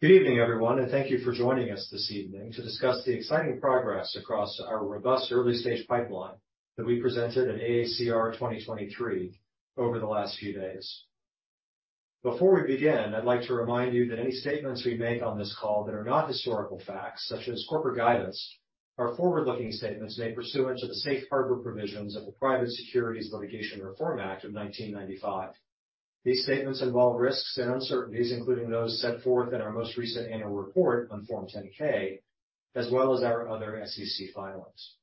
Good evening, everyone, and thank you for joining us this evening to discuss the exciting progress across our robust early-stage pipeline that we presented at AACR 2023 over the last few days. Before we begin, I'd like to remind you that any statements we make on this call that are not historical facts, such as corporate guidance, are forward-looking statements made pursuant to the safe harbor provisions of the Private Securities Litigation Reform Act of 1995. These statements involve risks and uncertainties, including those set forth in our most recent annual report on Form 10-K, as well as our other SEC filings.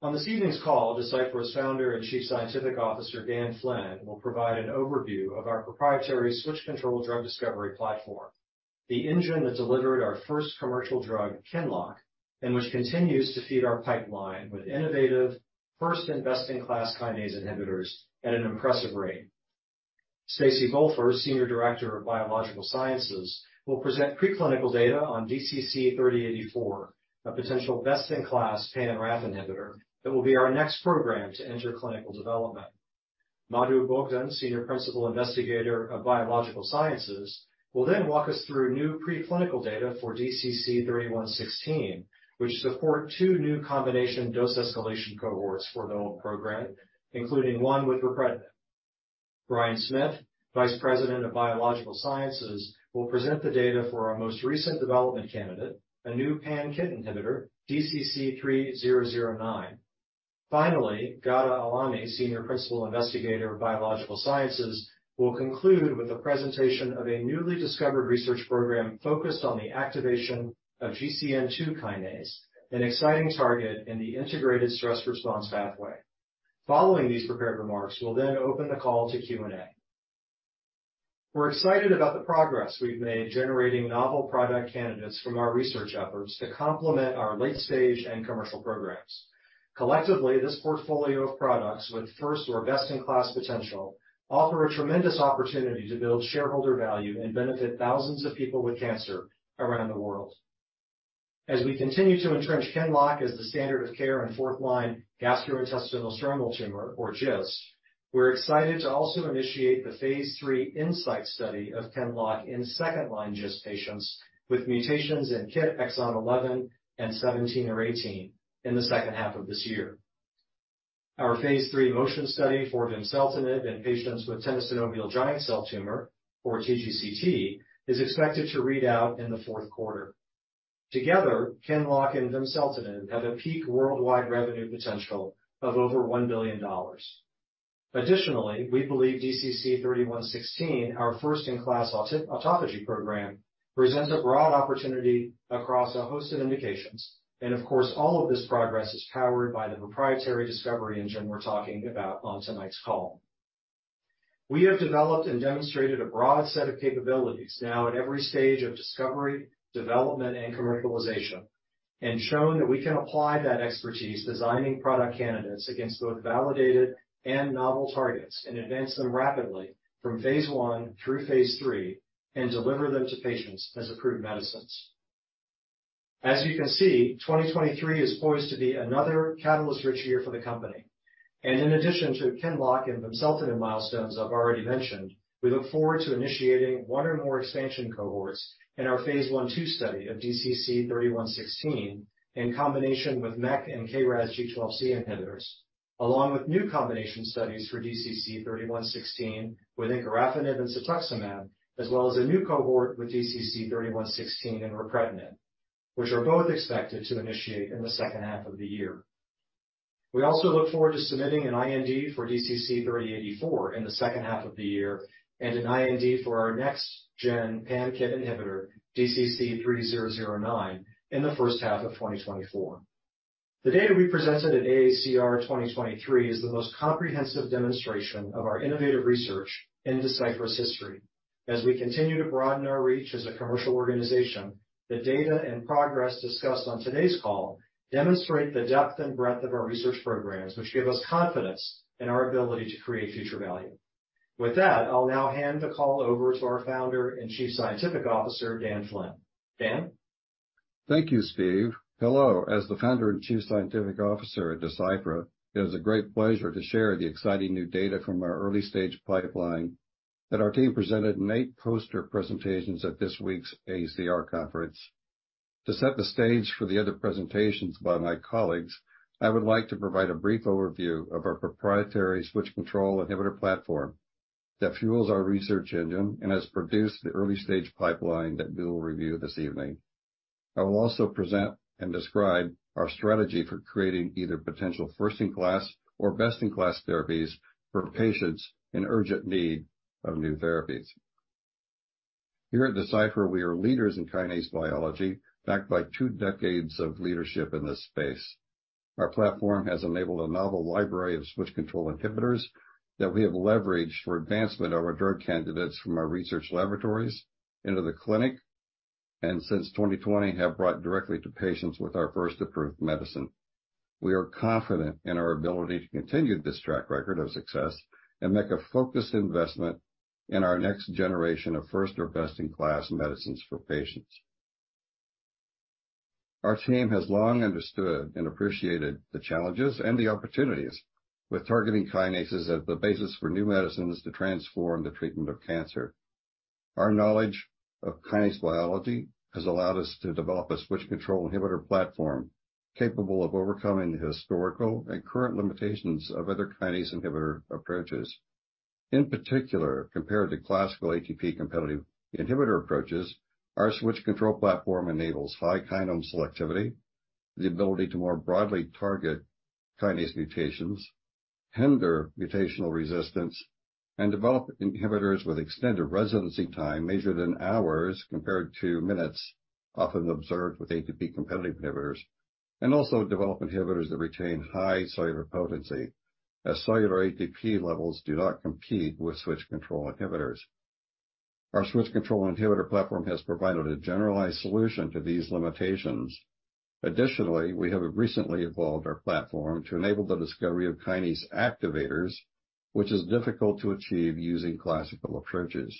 On this evening's call, Deciphera's Founder and Chief Scientific Officer, Dan Flynn, will provide an overview of our proprietary switch-control drug discovery platform, the engine that delivered our first commercial drug, QINLOCK, and which continues to feed our pipeline with innovative first- and best-in-class kinase inhibitors at an impressive rate. Stacie Bulfer, Senior Director of Biological Sciences, will present preclinical data on DCC-3084, a potential best-in-class pan-RAF inhibitor that will be our next program to enter clinical development. Madhu Bogdan, Senior Principal Investigator of Biological Sciences, will walk us through new preclinical data for DCC-3116, which support two new combination dose escalation cohorts for the program, including one with ripretinib. Bryan Smith, Vice President of Biological Sciences, will present the data for our most recent development candidate, a new pan-KIT inhibitor, DCC-3009. Finally, Gada Al-ani, Senior Principal Investigator of Biological Sciences, will conclude with the presentation of a newly discovered research program focused on the activation of GCN2 kinase, an exciting target in the integrated stress response pathway. Following these prepared remarks, we'll then open the call to Q&A. We're excited about the progress we've made generating novel product candidates from our research efforts to complement our late-stage and commercial programs. Collectively, this portfolio of products with first or best-in-class potential offer a tremendous opportunity to build shareholder value and benefit thousands of people with cancer around the world. As we continue to entrench QINLOCK as the standard of care in fourth-line gastrointestinal stromal tumor, or GIST, we're excited to also initiate the Phase 3 INSIGHT study of QINLOCK in second-line GIST patients with mutations in KIT exon 11 and 17 or 18 in the second half of this year. Our phase 3 MOTION study for vimseltinib in patients with tenosynovial giant cell tumor, or TGCT, is expected to read out in the fourth quarter. Together, QINLOCK and vimseltinib have a peak worldwide revenue potential of over $1 billion. We believe DCC-3116, our first-in-class autophagy program, presents a broad opportunity across a host of indications. Of course, all of this progress is powered by the proprietary discovery engine we're talking about on tonight's call. We have developed and demonstrated a broad set of capabilities now at every stage of discovery, development, and commercialization, and shown that we can apply that expertise designing product candidates against both validated and novel targets and advance them rapidly from phase 1 through phase 3 and deliver them to patients as approved medicines. As you can see, 2023 is poised to be another catalyst-rich year for the company. In addition to QINLOCK and vimseltinib milestones I've already mentioned, we look forward to initiating one or more expansion cohorts in our phase 1/2 study of DCC-3116 in combination with MEK and KRAS G12C inhibitors, along with new combination studies for DCC-3116 with encorafenib and cetuximab, as well as a new cohort with DCC-3116 and ripretinib, which are both expected to initiate in the second half of the year. We also look forward to submitting an IND for DCC-3084 in the second half of the year and an IND for our next-gen pan-KIT inhibitor, DCC-3009, in the first half of 2024. The data we presented at AACR 2023 is the most comprehensive demonstration of our innovative research in Deciphera's history. As we continue to broaden our reach as a commercial organization, the data and progress discussed on today's call demonstrate the depth and breadth of our research programs, which give us confidence in our ability to create future value. With that, I'll now hand the call over to our Founder and Chief Scientific Officer, Dan Flynn. Dan? Thank you, Steve. Hello. As the Founder and Chief Scientific Officer at Decipher, it is a great pleasure to share the exciting new data from our early stage pipeline that our team presented in 8 poster presentations at this week's AACR conference. To set the stage for the other presentations by my colleagues, I would like to provide a brief overview of our proprietary switch-control inhibitor platform that fuels our research engine and has produced the early stage pipeline that we will review this evening. I will also present and describe our strategy for creating either potential first-in-class or best-in-class therapies for patients in urgent need of new therapies. Here at Decipher, we are leaders in kinase biology, backed by 2 decades of leadership in this space. Our platform has enabled a novel library of switch-control inhibitors that we have leveraged for advancement of our drug candidates from our research laboratories into the clinic, and since 2020 have brought directly to patients with our first approved medicine. We are confident in our ability to continue this track record of success and make a focused investment in our next generation of first or best-in-class medicines for patients. Our team has long understood and appreciated the challenges and the opportunities with targeting kinases as the basis for new medicines to transform the treatment of cancer. Our knowledge of kinase biology has allowed us to develop a switch-control inhibitor platform capable of overcoming the historical and current limitations of other kinase inhibitor approaches. In particular, compared to classical ATP competitive inhibitor approaches, our switch control platform enables high kinome selectivity, the ability to more broadly target kinase mutations, hinder mutational resistance, and develop inhibitors with extended residency time measured in hours compared to minutes, often observed with ATP competitive inhibitors. Also develop inhibitors that retain high cellular potency as cellular ATP levels do not compete with switch control inhibitors. Our switch control inhibitor platform has provided a generalized solution to these limitations. Additionally, we have recently evolved our platform to enable the discovery of kinase activators, which is difficult to achieve using classical approaches.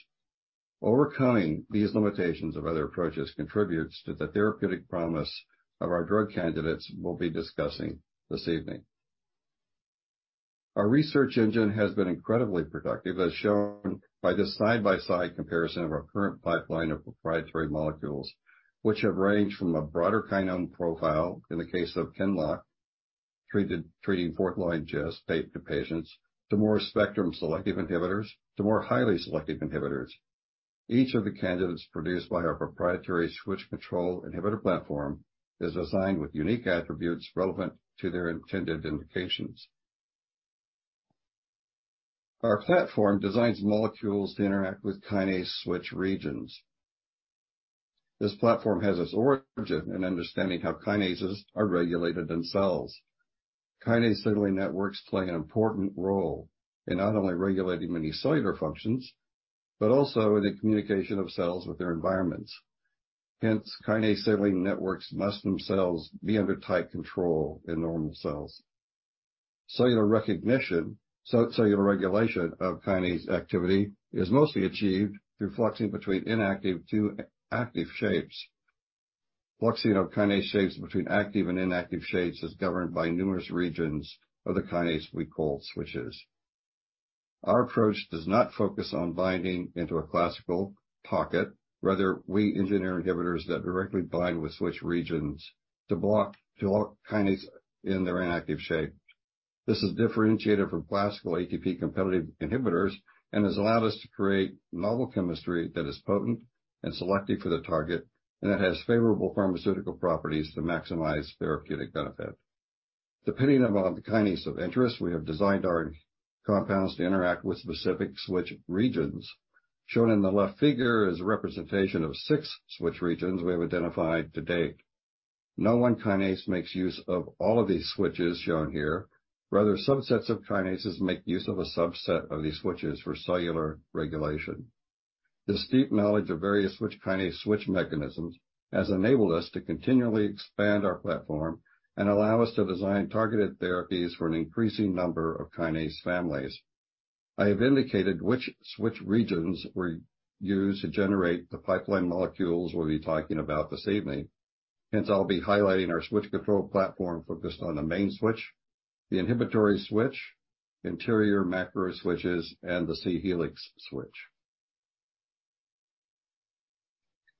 Overcoming these limitations of other approaches contributes to the therapeutic promise of our drug candidates we will be discussing this evening. Our research engine has been incredibly productive, as shown by this side-by-side comparison of our current pipeline of proprietary molecules, which have ranged from a broader kinome profile in the case of QINLOCK, treating 4th-line GIST patients to more spectrum selective inhibitors to more highly selective inhibitors. Each of the candidates produced by our proprietary switch-control kinase inhibitor platform is assigned with unique attributes relevant to their intended indications. Our platform designs molecules to interact with kinase switch regions. This platform has its origin in understanding how kinases are regulated in cells. Kinase signaling networks play an important role in not only regulating many cellular functions, but also in the communication of cells with their environments. Hence, kinase signaling networks must themselves be under tight control in normal cells. Cellular regulation of kinase activity is mostly achieved through flexing between inactive to active shapes. Flexing of kinase shapes between active and inactive shapes is governed by numerous regions of the kinase we call switches. Our approach does not focus on binding into a classical pocket. Rather, we engineer inhibitors that directly bind with switch regions to lock kinase in their inactive shape. This is differentiated from classical ATP competitive inhibitors and has allowed us to create novel chemistry that is potent and selective for the target, and that has favorable pharmaceutical properties to maximize therapeutic benefit. Depending upon the kinase of interest, we have designed our compounds to interact with specific switch regions. Shown in the left figure is a representation of six switch regions we have identified to date. No one kinase makes use of all of these switches shown here. Rather, subsets of kinases make use of a subset of these switches for cellular regulation. This deep knowledge of various switch kinase switch mechanisms has enabled us to continually expand our platform and allow us to design targeted therapies for an increasing number of kinase families. I have indicated which switch regions were used to generate the pipeline molecules we'll be talking about this evening. I'll be highlighting our switch control platform focused on the Main Switch, the Inhibitory Switch, interior macro switches, and the C-helix Switch.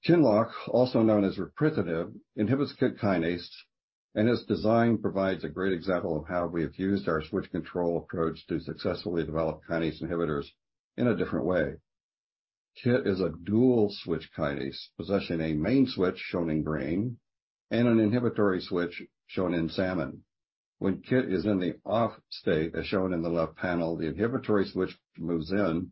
QINLOCK, also known as ripretinib, inhibits KIT kinase and its design provides a great example of how we have used our switch control approach to successfully develop kinase inhibitors in a different way. KIT is a dual switch kinase, possessing a Main Switch shown in green and an Inhibitory Switch shown in salmon. When KIT is in the off state, as shown in the left panel, the inhibitory switch moves in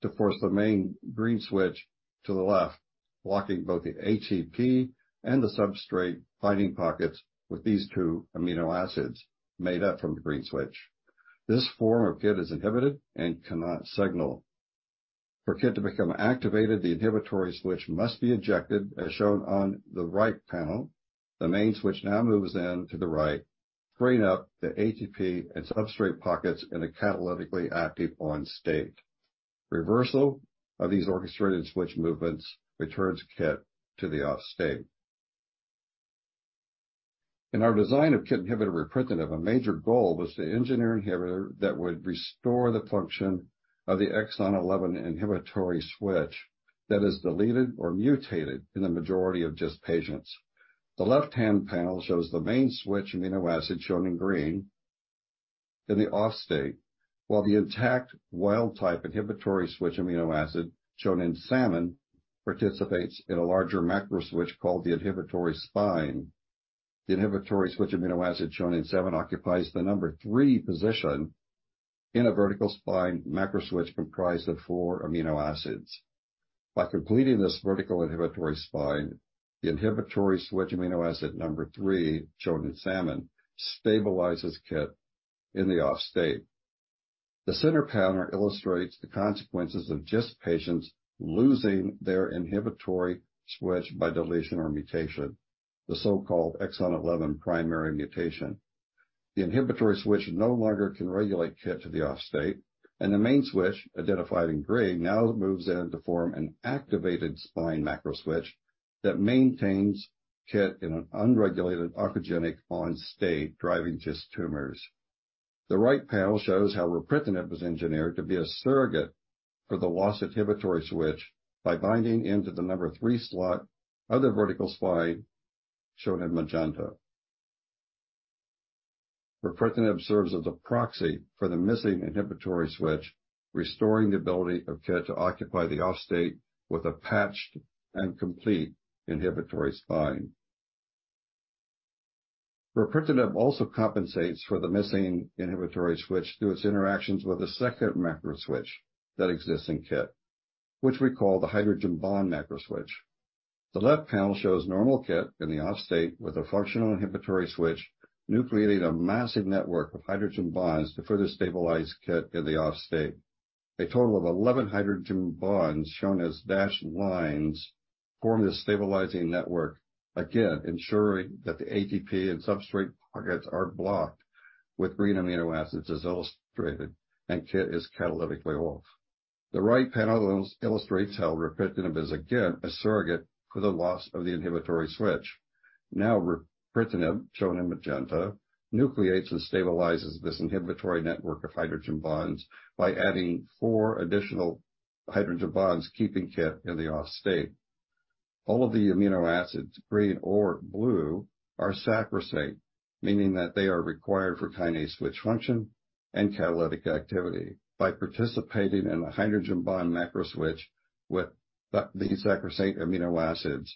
to force the main green switch to the left, blocking both the ATP and the substrate binding pockets with these two amino acids made up from the green switch. This form of KIT is inhibited and cannot signal. For KIT to become activated, the inhibitory switch must be injected, as shown on the right panel. The main switch now moves in to the right, freeing up the ATP and substrate pockets in a catalytically active on state. Reversal of these orchestrated switch movements returns KIT to the off state. In our design of KIT inhibitor ripretinib, a major goal was to engineer an inhibitor that would restore the function of the exon 11 inhibitory switch that is deleted or mutated in the majority of GIST patients. The left-hand panel shows the main switch amino acid shown in green in the off state, while the intact wild type inhibitory switch amino acid, shown in salmon, participates in a larger macro switch called the inhibitory spine. The inhibitory switch amino acid shown in salmon occupies the number 3 position in a vertical spine macro switch comprised of 4 amino acids. By completing this vertical inhibitory spine, the inhibitory switch amino acid 3, shown in salmon, stabilizes KIT in the off state. The center panel illustrates the consequences of GIST patients losing their inhibitory switch by deletion or mutation, the so-called exon 11 primary mutation. The inhibitory switch no longer can regulate KIT to the off state, and the main switch, identified in gray, now moves in to form an activated spine macro switch that maintains KIT in an unregulated oncogenic on state, driving GIST tumors. The right panel shows how ripretinib was engineered to be a surrogate for the lost inhibitory switch by binding into the number 3 slot of the vertical spine, shown in magenta. Ripretinib serves as a proxy for the missing inhibitory switch, restoring the ability of KIT to occupy the off state with a patched and complete inhibitory spine. Ripretinib also compensates for the missing inhibitory switch through its interactions with a second macro switch that exists in KIT, which we call the hydrogen bond macro switch. The left panel shows normal KIT in the off state with a functional inhibitory switch, nucleating a massive network of hydrogen bonds to further stabilize KIT in the off state. A total of 11 hydrogen bonds, shown as dashed lines, form this stabilizing network, again ensuring that the ATP and substrate pockets are blocked with green amino acids as illustrated, and KIT is catalytically off. The right panel illustrates how ripretinib is again a surrogate for the loss of the inhibitory switch. Ripretinib, shown in magenta, nucleates and stabilizes this inhibitory network of hydrogen bonds by adding 4 additional hydrogen bonds, keeping KIT in the off state. All of the amino acids, green or blue, are saccharate, meaning that they are required for kinase switch function and catalytic activity. By participating in a hydrogen bond macro switch with these saccharate amino acids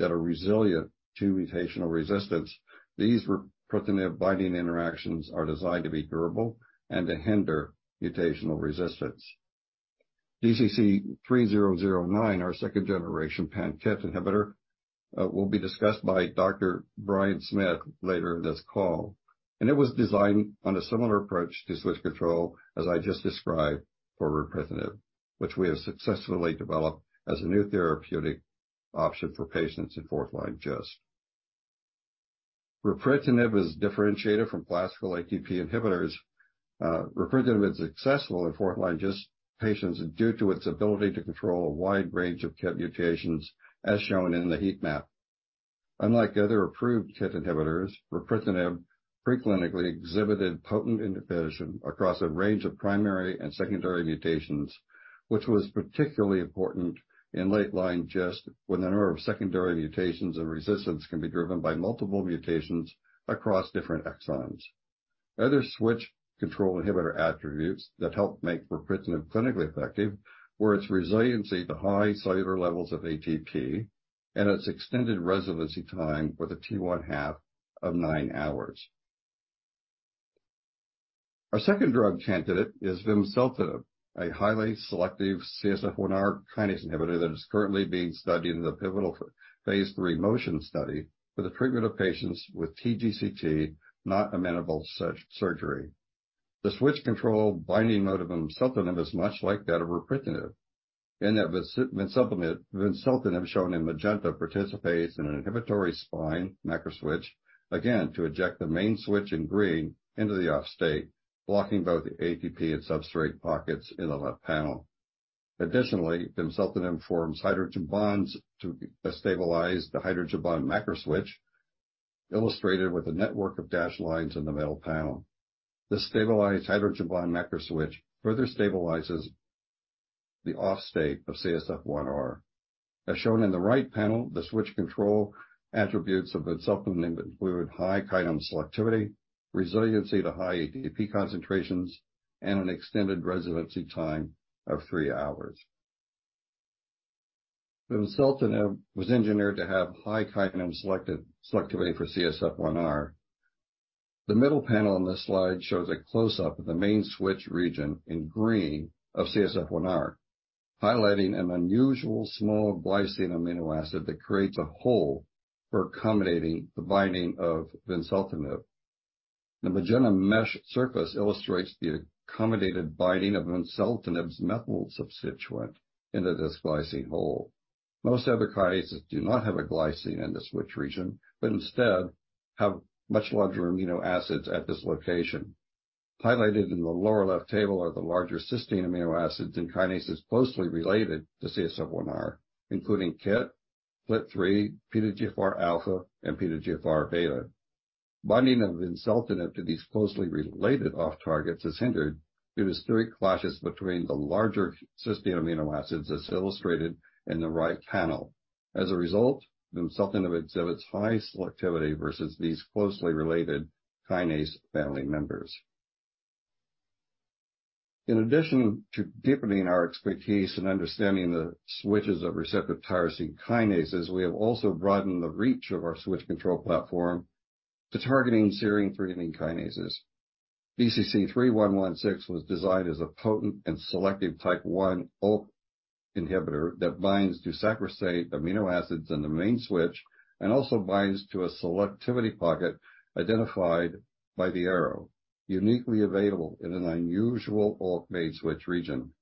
that are resilient to mutational resistance, these ripretinib binding interactions are designed to be durable and to hinder mutational resistance. DCC-3009, our second-generation pan-KIT inhibitor, will be discussed by Dr. Bryan Smith later in this call. It was designed on a similar approach to switch control as I just described for ripretinib, which we have successfully developed as a new therapeutic option for patients in fourth-line GIST. Ripretinib is differentiated from classical ATP inhibitors. Ripretinib is successful in fourth-line GIST patients due to its ability to control a wide range of KIT mutations, as shown in the heat map. Unlike other approved KIT inhibitors, ripretinib preclinically exhibited potent inhibition across a range of primary and secondary mutations, which was particularly important in late-line GIST when the number of secondary mutations and resistance can be driven by multiple mutations across different exons. Other switch control inhibitor attributes that help make ripretinib clinically effective were its resiliency to high cellular levels of ATP and its extended residency time with a T1/2 of nine hours. Our second drug candidate is vimseltinib, a highly selective CSF1R kinase inhibitor that is currently being studied in the pivotal phase 3 MOTION study for the treatment of patients with TGCT not amenable to surgery. The switch control binding mode of vimseltinib is much like that of repretinib in that vimseltinib shown in magenta participates in an inhibitory spine macro switch, again to eject the main switch in green into the off state, blocking both the ATP and substrate pockets in the left panel. Additionally, vimseltinib forms hydrogen bonds to stabilize the hydrogen bond macro switch, illustrated with a network of dashed lines in the middle panel. This stabilized hydrogen bond macro switch further stabilizes the off state of CSF1R. As shown in the right panel, the switch control attributes of vimseltinib include high kinase selectivity, resiliency to high ATP concentrations, and an extended residency time of 3 hours. Vimseltinib was engineered to have high kinase selectivity for CSF1R. The middle panel on this slide shows a close-up of the main switch region in green of CSF1R, highlighting an unusual small glycine amino acid that creates a hole for accommodating the binding of vimseltinib. The magenta mesh surface illustrates the accommodated binding of vimseltinib's methyl substituent into this glycine hole. Most other kinases do not have a glycine in the switch region but instead have much larger amino acids at this location. Highlighted in the lower left table are the larger cysteine amino acids in kinases closely related to CSF1R, including KIT, FLT3, PDGFRα, and PDGFRβ. Binding of vimseltinib to these closely related off targets is hindered due to steric clashes between the larger cysteine amino acids, as illustrated in the right panel. As a result, vimseltinib exhibits high selectivity versus these closely related kinase family members. In addition to deepening our expertise in understanding the switches of receptor tyrosine kinases, we have also broadened the reach of our switch control platform to targeting serine/threonine kinases. DCC-3116 was designed as a potent and selective type 1 ULK inhibitor that binds to saccharate amino acids in the main switch and also binds to a selectivity pocket identified by the arrow. Uniquely available in an unusual ULK MAZ switch region.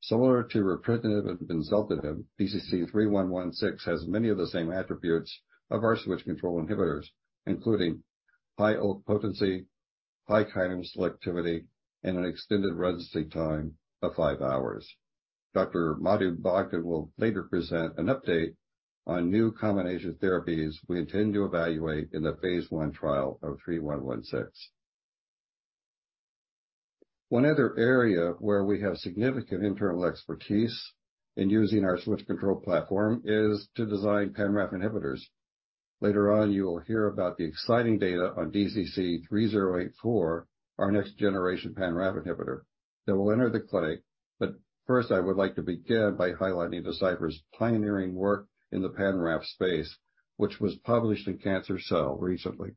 Similar to ripretinib and vimseltinib, DCC-3116 has many of the same attributes of our switch control inhibitors, including high ULK potency, high kinome selectivity, and an extended residency time of 5 hours. Dr. Madhu Bhagat will later present an update on new combination therapies we intend to evaluate in the phase 1 trial of 3116. One other area where we have significant internal expertise in using our switch-control platform is to design pan-RAF inhibitors. Later on, you will hear about the exciting data on DCC-3084, our next-generation pan-RAF inhibitor that will enter the clinic. First, I would like to begin by highlighting Deciphera's pioneering work in the pan-RAF space, which was published in Cancer Cell recently.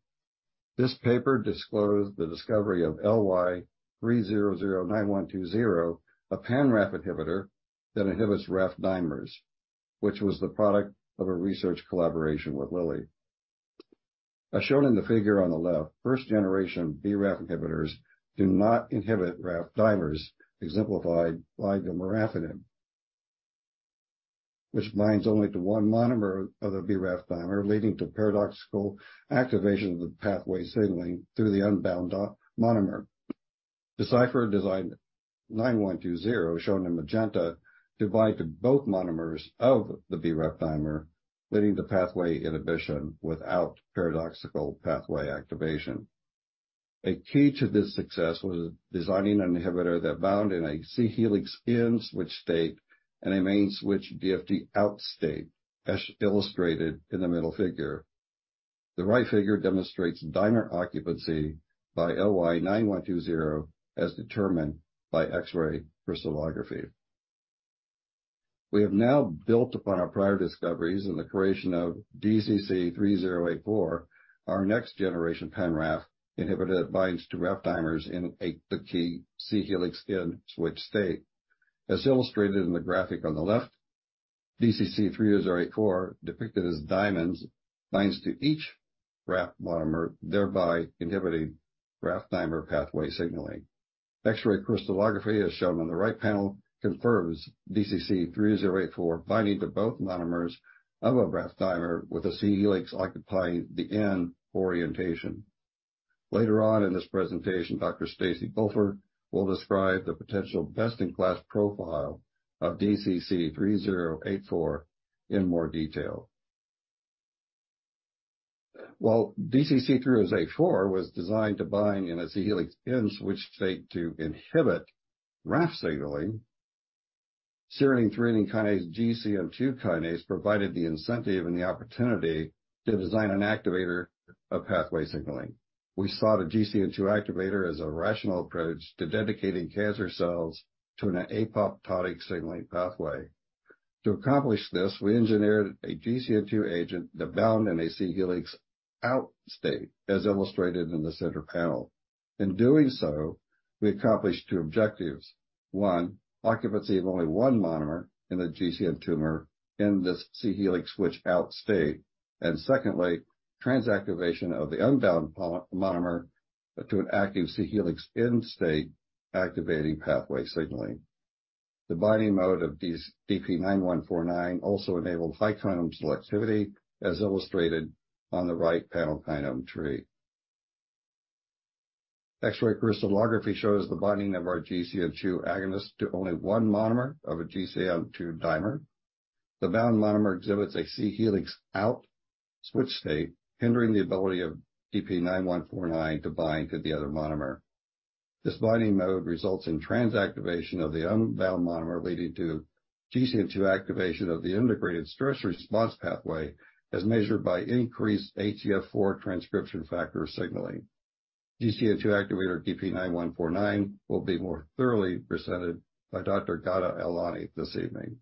This paper disclosed the discovery of LY3009120, a pan-RAF inhibitor that inhibits RAF dimers, which was the product of a research collaboration with Lilly. As shown in the figure on the left, first generation BRAF inhibitors do not inhibit RAF dimers exemplified by the dabrafenib, which binds only to one monomer of the BRAF dimer, leading to paradoxical activation of the pathway signaling through the unbound monomer. Deciphera designed 9120, shown in magenta, to bind to both monomers of the BRAF dimer, leading to pathway inhibition without paradoxical pathway activation. A key to this success was designing an inhibitor that bound in a C-helix in switch state and a main switch DFG out state, as illustrated in the middle figure. The right figure demonstrates dimer occupancy by LY 9120, as determined by X-ray crystallography. We have now built upon our prior discoveries in the creation of DCC 3084, our next generation pan-RAF inhibitor that binds to RAF dimers in the key C-helix in switch state. As illustrated in the graphic on the left, DCC 3084, depicted as diamonds, binds to each RAF monomer, thereby inhibiting RAF dimer pathway signaling. X-ray crystallography, as shown on the right panel, confirms DCC-3084 binding to both monomers of a RAF dimer with a C helix occupying the end orientation. Later on in this presentation, Stacie Bulfer will describe the potential best-in-class profile of DCC-3084 in more detail. While DCC-3084 was designed to bind in a C helix in switch state to inhibit RAF signaling, serine/threonine kinase GCN2 kinase provided the incentive and the opportunity to design an activator of pathway signaling. We saw the GCN2 activator as a rational approach to dedicating cancer cells to an apoptotic signaling pathway. To accomplish this, we engineered a GCN2 agent that bound in a C helix out state, as illustrated in the center panel. In doing so, we accomplished two objectives. One, occupancy of only 1 monomer in a GCN2 tumor in this C helix switch out state. Secondly, transactivation of the unbound monomer to an active C helix in state activating pathway signaling. The binding mode of these DP-9149 also enabled high kinome selectivity, as illustrated on the right panel kinome tree. X-ray crystallography shows the binding of our GCN2 agonist to only 1 monomer of a GCN2 dimer. The bound monomer exhibits a C helix out switch state, hindering the ability of DP-9149 to bind to the other monomer. This binding mode results in transactivation of the unbound monomer, leading to GCN2 activation of the integrated stress response pathway, as measured by increased ATF4 transcription factor signaling. GCN2 activator DP-9149 will be more thoroughly presented by Dr. Gada Al-Ani this evening.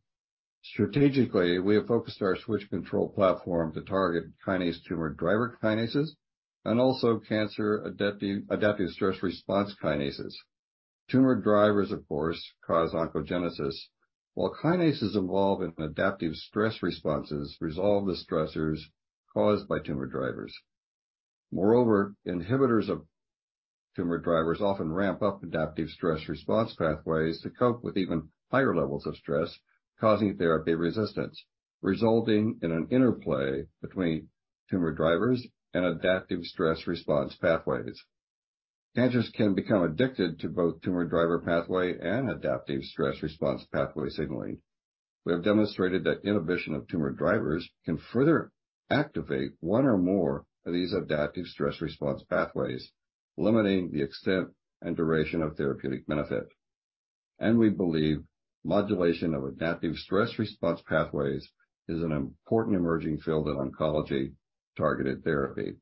Strategically, we have focused our Switch-Control platform to target kinase tumor driver kinases and also cancer adaptive stress response kinases. Tumor drivers, of course, cause oncogenesis, while kinases involved in adaptive stress responses resolve the stressors caused by tumor drivers. Moreover, inhibitors of tumor drivers often ramp up adaptive stress response pathways to cope with even higher levels of stress, causing therapy resistance, resulting in an interplay between tumor drivers and adaptive stress response pathways. Cancers can become addicted to both tumor driver pathway and adaptive stress response pathway signaling. We have demonstrated that inhibition of tumor drivers can further activate one or more of these adaptive stress response pathways, limiting the extent and duration of therapeutic benefit. We believe modulation of adaptive stress response pathways is an important emerging field in oncology targeted therapy.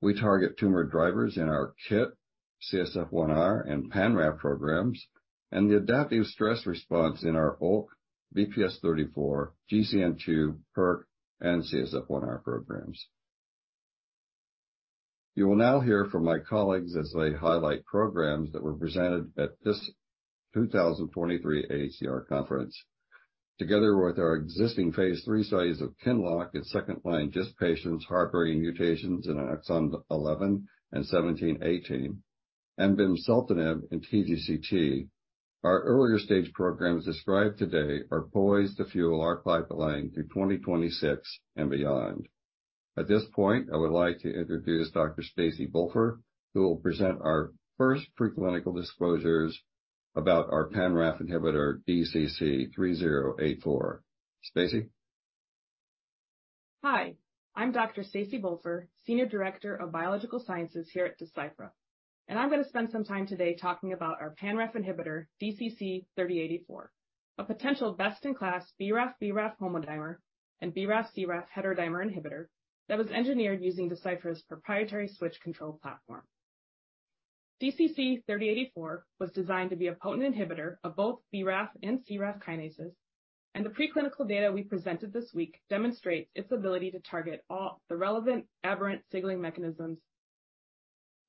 We target tumor drivers in our KIT, CSF1R, and pan-RAF programs, and the adaptive stress response in our ULK, BPS-34, GCN2, PERK, and CSF1R programs. You will now hear from my colleagues as they highlight programs that were presented at this 2023 AACR conference. Together with our existing phase 3 studies of QINLOCK in second-line GIST patients harboring mutations in exons 11 and 17/18, and vimseltinib in TGCT, our earlier-stage programs described today are poised to fuel our pipeline through 2026 and beyond. At this point, I would like to introduce Dr. Stacie Bulfer, who will present our first preclinical disclosures about our pan-RAF inhibitor, DCC-3084. Stacy? Hi, I'm Dr. Stacie Bulfer, Senior Director of Biological Sciences here at Deciphera. I'm gonna spend some time today talking about our pan-RAF inhibitor, DCC-3084, a potential best-in-class BRAF homodimer and BRAF, CRAF heterodimer inhibitor that was engineered using Deciphera's proprietary switch-control platform. DCC-3084 was designed to be a potent inhibitor of both BRAF and CRAF kinases, the preclinical data we presented this week demonstrates its ability to target all the relevant aberrant signaling mechanisms,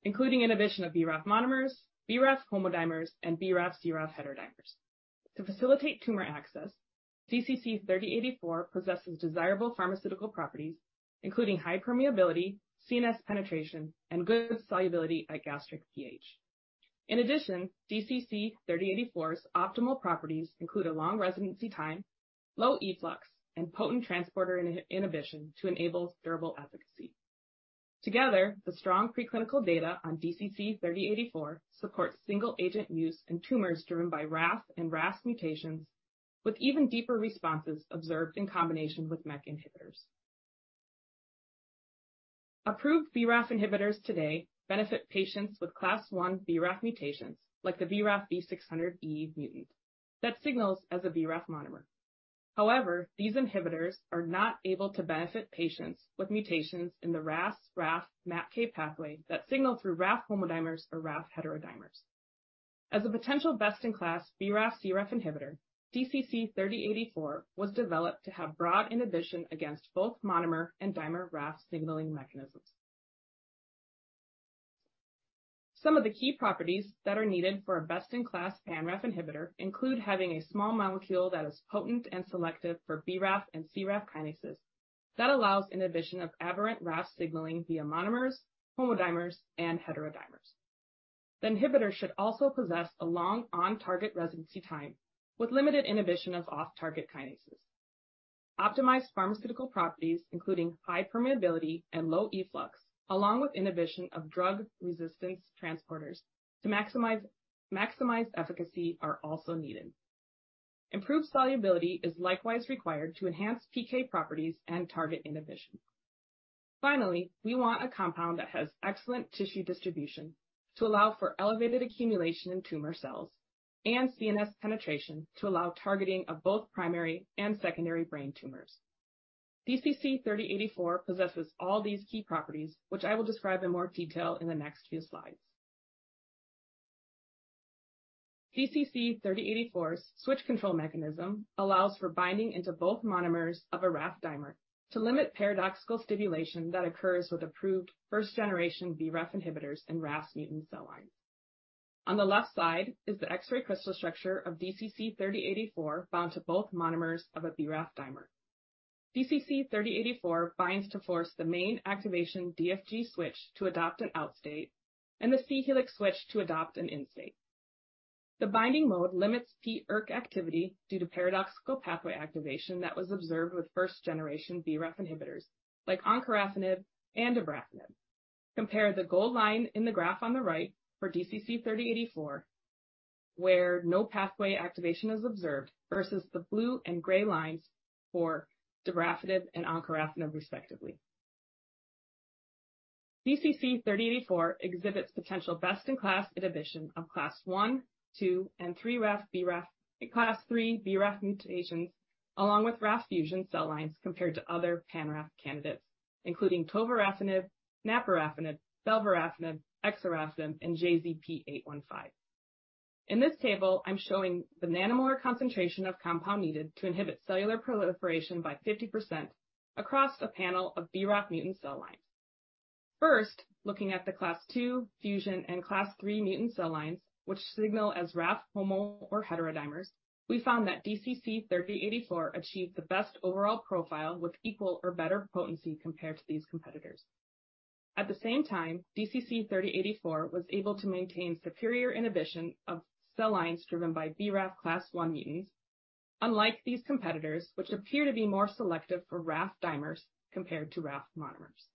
including inhibition of BRAF monomers, BRAF homodimers, and BRAF, CRAF heterodimers. To facilitate tumor access, DCC-3084 possesses desirable pharmaceutical properties, including high permeability, CNS penetration, and good solubility at gastric pH. In addition, DCC-3084's optimal properties include a long residency time, low efflux, and potent transporter inhibition to enable durable efficacy. Together, the strong preclinical data on DCC-3084 supports single-agent use in tumors driven by RAF and RAS mutations, with even deeper responses observed in combination with MEK inhibitors. Approved BRAF inhibitors today benefit patients with class 1 BRAF mutations, like the BRAF V600E mutant that signals as a BRAF monomer. These inhibitors are not able to benefit patients with mutations in the RAS, RAF, MAPK pathway that signal through RAF homodimers or RAF heterodimers. As a potential best-in-class BRAF, CRAF inhibitor, DCC-3084 was developed to have broad inhibition against both monomer and dimer RAF signaling mechanisms. Some of the key properties that are needed for a best-in-class pan-RAF inhibitor include having a small molecule that is potent and selective for BRAF and CRAF kinases that allows inhibition of aberrant RAF signaling via monomers, homodimers, and heterodimers. The inhibitor should also possess a long on-target residency time with limited inhibition of off-target kinases. Optimized pharmaceutical properties, including high permeability and low efflux, along with inhibition of drug resistance transporters to maximize efficacy are also needed. Improved solubility is likewise required to enhance PK properties and target inhibition. Finally, we want a compound that has excellent tissue distribution to allow for elevated accumulation in tumor cells and CNS penetration to allow targeting of both primary and secondary brain tumors. DCC-3084 possesses all these key properties, which I will describe in more detail in the next few slides. DCC-3084's switch control mechanism allows for binding into both monomers of a RAF dimer to limit paradoxical stimulation that occurs with approved first-generation BRAF inhibitors in RAS mutant cell lines. On the left side is the X-ray crystal structure of DCC-3084 bound to both monomers of a BRAF dimer. DCC-3084 binds to force the main activation DFG switch to adopt an out state and the C helix switch to adopt an in state. The binding mode limits pERK activity due to paradoxical pathway activation that was observed with first-generation BRAF inhibitors like encorafenib and dabrafenib. Compare the gold line in the graph on the right for DCC-3084, where no pathway activation is observed, versus the blue and gray lines for dabrafenib and encorafenib, respectively. DCC-3084 exhibits potential best-in-class inhibition of class 1, 2, and 3 RAF, class 3 BRAF mutations, along with RAF fusion cell lines compared to other pan-RAF candidates, including tovorafenib, naporafenib, belvarafenib, exarafenib, and JZP815. In this table, I'm showing the nanomolar concentration of compound needed to inhibit cellular proliferation by 50% across a panel of BRAF mutant cell lines. First, looking at the class two fusion and class three mutant cell lines, which signal as RAF homo or heterodimers, we found that DCC-3084 achieved the best overall profile with equal or better potency compared to these competitors. At the same time, DCC-3084 was able to maintain superior inhibition of cell lines driven by BRAF class one mutants, unlike these competitors, which appear to be more selective for RAF dimers compared to RAF monomers.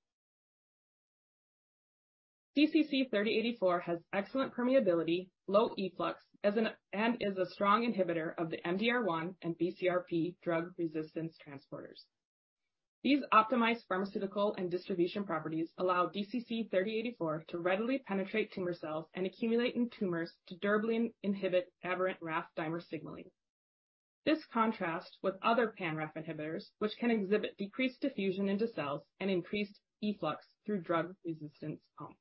DCC-3084 has excellent permeability, low efflux, and is a strong inhibitor of the MDR1 and BCRP drug resistance transporters. These optimized pharmaceutical and distribution properties allow DCC-3084 to readily penetrate tumor cells and accumulate in tumors to durably inhibit aberrant RAF dimer signaling. This contrasts with other pan-RAF inhibitors, which can exhibit decreased diffusion into cells and increased efflux through drug resistance pumps.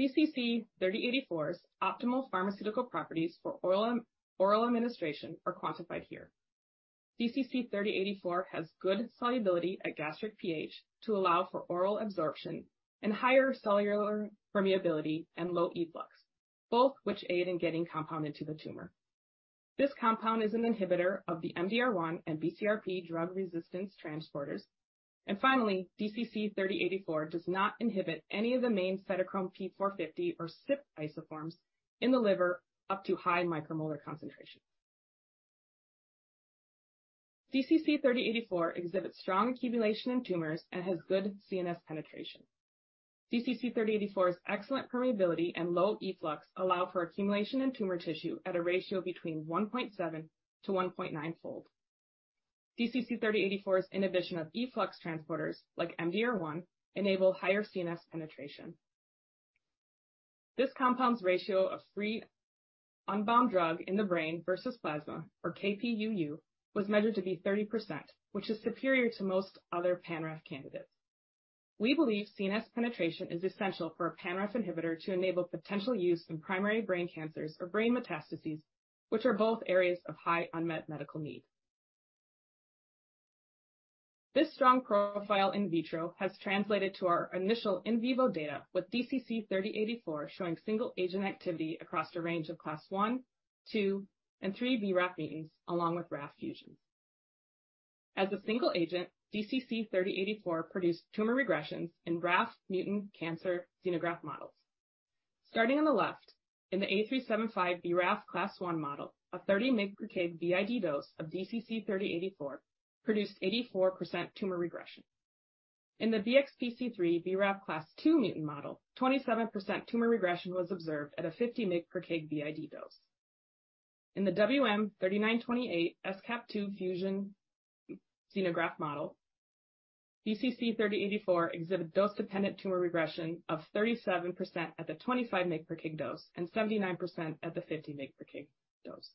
DCC-3084's optimal pharmaceutical properties for oral administration are quantified here. DCC 3084 has good solubility at gastric pH to allow for oral absorption and higher cellular permeability and low efflux, both which aid in getting compound into the tumor. This compound is an inhibitor of the MDR1 and BCRP drug resistance transporters. Finally, DCC 3084 does not inhibit any of the main cytochrome P450 or CYP isoforms in the liver up to high micromolar concentration. DCC 3084 exhibits strong accumulation in tumors and has good CNS penetration. DCC-3084's excellent permeability and low efflux allow for accumulation in tumor tissue at a ratio between 1.7-1.9-fold. DCC-3084's inhibition of efflux transporters like MDR1 enable higher CNS penetration. This compound's ratio of free unbound drug in the brain versus plasma, or Kp,uu, was measured to be 30%, which is superior to most other pan-RAF candidates. We believe CNS penetration is essential for a pan-RAF inhibitor to enable potential use in primary brain cancers or brain metastases, which are both areas of high unmet medical need. This strong profile in vitro has translated to our initial in vivo data, with DCC-3084 showing single-agent activity across a range of class 1, 2, and 3 BRAF mutants, along with RAF fusions. As a single agent, DCC-3084 produced tumor regressions in RAF mutant cancer xenograft models. Starting on the left, in the A375 BRAF class 1 model, a 30 mg per kg BID dose of DCC-3084 produced 84% tumor regression. In the BXPC3 BRAF class 2 mutant model, 27% tumor regression was observed at a 50 mg per kg BID dose. In the WM3928 SKAP2 fusion xenograft model, DCC-3084 exhibited dose-dependent tumor regression of 37% at the 25 mg per kg dose and 79% at the 50 mg per kg dose.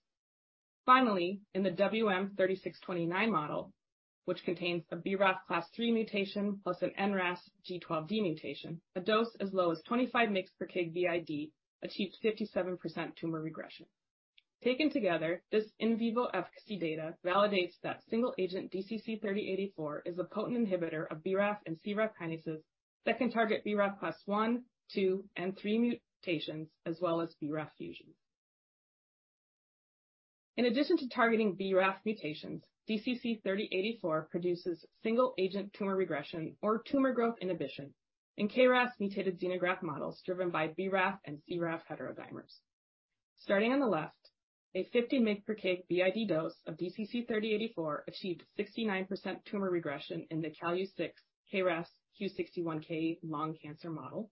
Finally, in the WM3629 model, which contains a BRAF class 3 mutation plus an NRAS G12D mutation, a dose as low as 25 mg per kg BID achieved 57% tumor regression. Taken together, this in vivo efficacy data validates that single-agent DCC-3084 is a potent inhibitor of BRAF and CRAF kinases that can target BRAF class 1, 2, and 3 mutations as well as BRAF fusions. In addition to targeting BRAF mutations, DCC-3084 produces single-agent tumor regression or tumor growth inhibition in KRAS-mutated xenograft models driven by BRAF and CRAF heterodimers. Starting on the left, a 50 mg/kg BID dose of DCC-3084 achieved 69% tumor regression in the Calu-6 KRAS Q61K lung cancer model.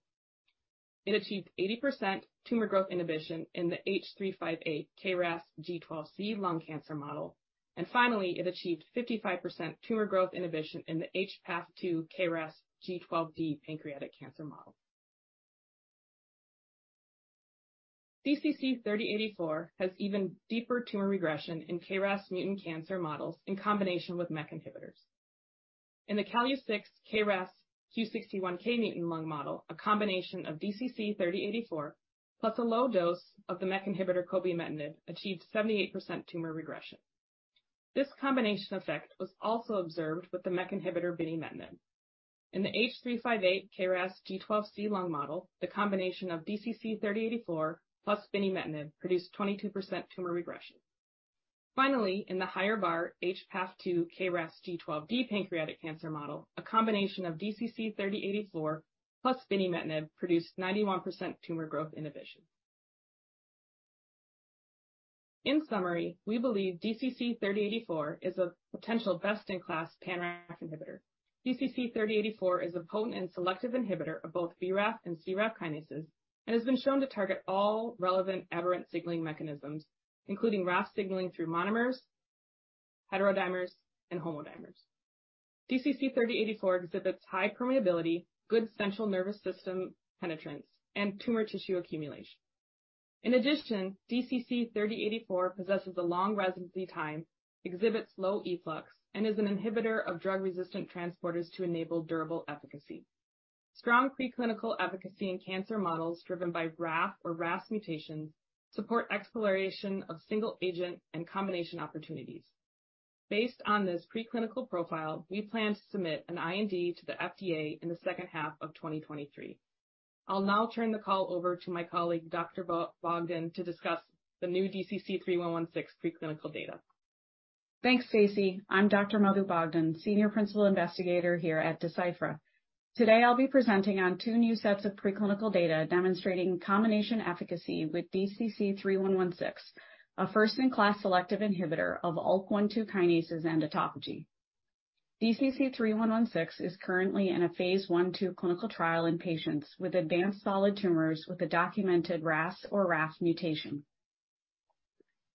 It achieved 80% tumor growth inhibition in the H358 KRAS G12C lung cancer model. Finally, it achieved 55% tumor growth inhibition in the HPAF-2 KRAS G12D pancreatic cancer model. DCC-3084 has even deeper tumor regression in KRAS-mutant cancer models in combination with MEK inhibitors. In the Calu-6 KRAS Q61K-mutant lung model, a combination of DCC-3084 plus a low dose of the MEK inhibitor cobimetinib achieved 78% tumor regression. This combination effect was also observed with the MEK inhibitor binimetinib. In the H358 KRAS G12C lung model, the combination of DCC-3084 plus binimetinib produced 22% tumor regression. Finally, in the higher bar HPAF-2 KRAS G12D pancreatic cancer model, a combination of DCC-3084 plus binimetinib produced 91% tumor growth inhibition. In summary, we believe DCC-3084 is a potential best-in-class pan-RAF inhibitor. DCC-3084 is a potent and selective inhibitor of both BRAF and CRAF kinases and has been shown to target all relevant aberrant signaling mechanisms, including RAF signaling through monomers, heterodimers, and homodimers. DCC-3084 exhibits high permeability, good central nervous system penetrance, and tumor tissue accumulation. In addition, DCC-3084 possesses a long residency time, exhibits low efflux, and is an inhibitor of drug-resistant transporters to enable durable efficacy. Strong preclinical efficacy in cancer models driven by RAF or RAS mutations support exploration of single-agent and combination opportunities. Based on this preclinical profile, we plan to submit an IND to the FDA in the second half of 2023. I'll now turn the call over to my colleague, Dr. Bogdan, to discuss the new DCC-3116 preclinical data. Thanks, Stacy. I'm Dr. Madhu Bogdan, Senior Principal Investigator here at Deciphera. Today, I'll be presenting on two new sets of preclinical data demonstrating combination efficacy with DCC-3116, a first-in-class selective inhibitor of ULK1/2 kinases and autophagy. DCC-3116 is currently in a Phase I/II clinical trial in patients with advanced solid tumors with a documented RAS or RAF mutation.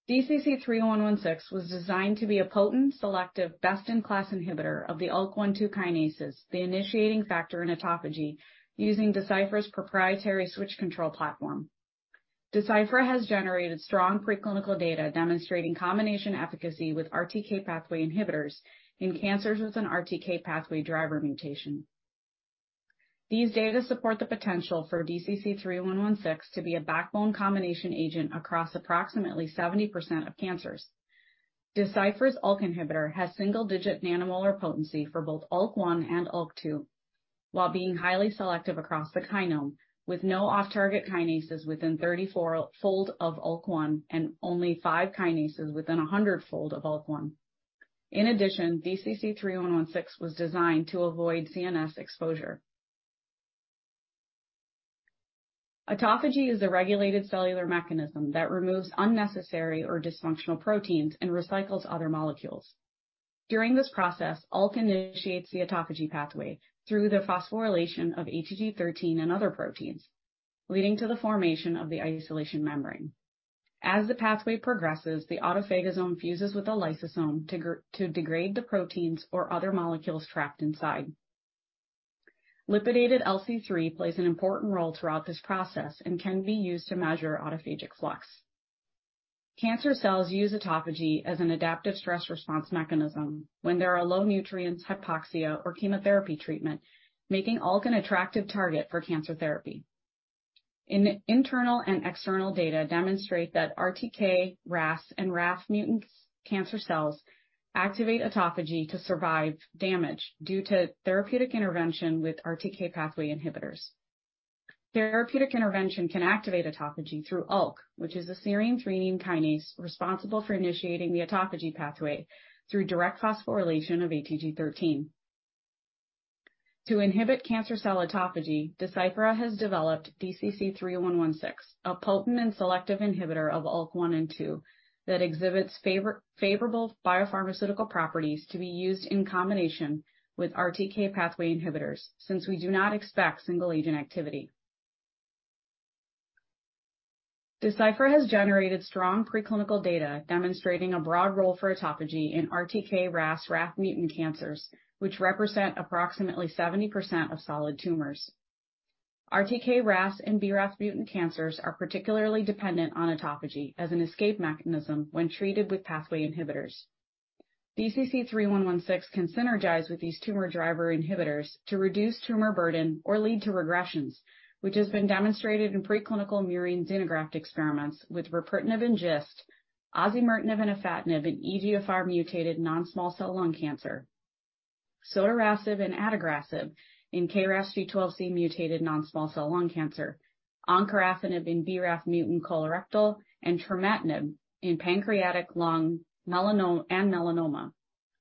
DCC-3116 was designed to be a potent, selective, best-in-class inhibitor of the ULK1/2 kinases, the initiating factor in autophagy, using Deciphera's proprietary switch-control platform. Deciphera has generated strong preclinical data demonstrating combination efficacy with RTK pathway inhibitors in cancers with an RTK pathway driver mutation. These data support the potential for DCC-3116 to be a backbone combination agent across approximately 70% of cancers. Deciphera's ULK inhibitor has single-digit nanomolar potency for both ULK1 and ULK2, while being highly selective across the kinome, with no off-target kinases within 34-fold of ULK1 and only five kinases within 100-fold of ULK1. In addition, DCC-3116 was designed to avoid CNS exposure. Autophagy is a regulated cellular mechanism that removes unnecessary or dysfunctional proteins and recycles other molecules. During this process, ULK initiates the autophagy pathway through the phosphorylation of ATG13 and other proteins, leading to the formation of the isolation membrane. As the pathway progresses, the autophagosome fuses with the lysosome to degrade the proteins or other molecules trapped inside. Lipidated LC3 plays an important role throughout this process and can be used to measure autophagic flux. Cancer cells use autophagy as an adaptive stress response mechanism when there are low nutrients, hypoxia, or chemotherapy treatment, making ULK an attractive target for cancer therapy. In internal and external data demonstrate that RTK, RAS, and RAF mutants cancer cells activate autophagy to survive damage due to therapeutic intervention with RTK pathway inhibitors. Therapeutic intervention can activate autophagy through ULK, which is a serine/threonine kinase responsible for initiating the autophagy pathway through direct phosphorylation of ATG13. To inhibit cancer cell autophagy, Deciphera has developed DCC-3116, a potent and selective inhibitor of ULK1 and 2 that exhibits favorable biopharmaceutical properties to be used in combination with RTK pathway inhibitors, since we do not expect single-agent activity. Deciphera has generated strong preclinical data demonstrating a broad role for autophagy in RTK RAS RAF mutant cancers, which represent approximately 70% of solid tumors. RTK RAS and BRAF mutant cancers are particularly dependent on autophagy as an escape mechanism when treated with pathway inhibitors. DCC-3116 can synergize with these tumor driver inhibitors to reduce tumor burden or lead to regressions, which has been demonstrated in preclinical murine xenograft experiments with ripretinib in GIST, osimertinib and afatinib in EGFR mutated non-small cell lung cancer, sotorasib and adagrasib in KRAS G12C mutated non-small cell lung cancer, encorafenib in BRAF mutant colorectal, and trametinib in pancreatic lung and melanoma,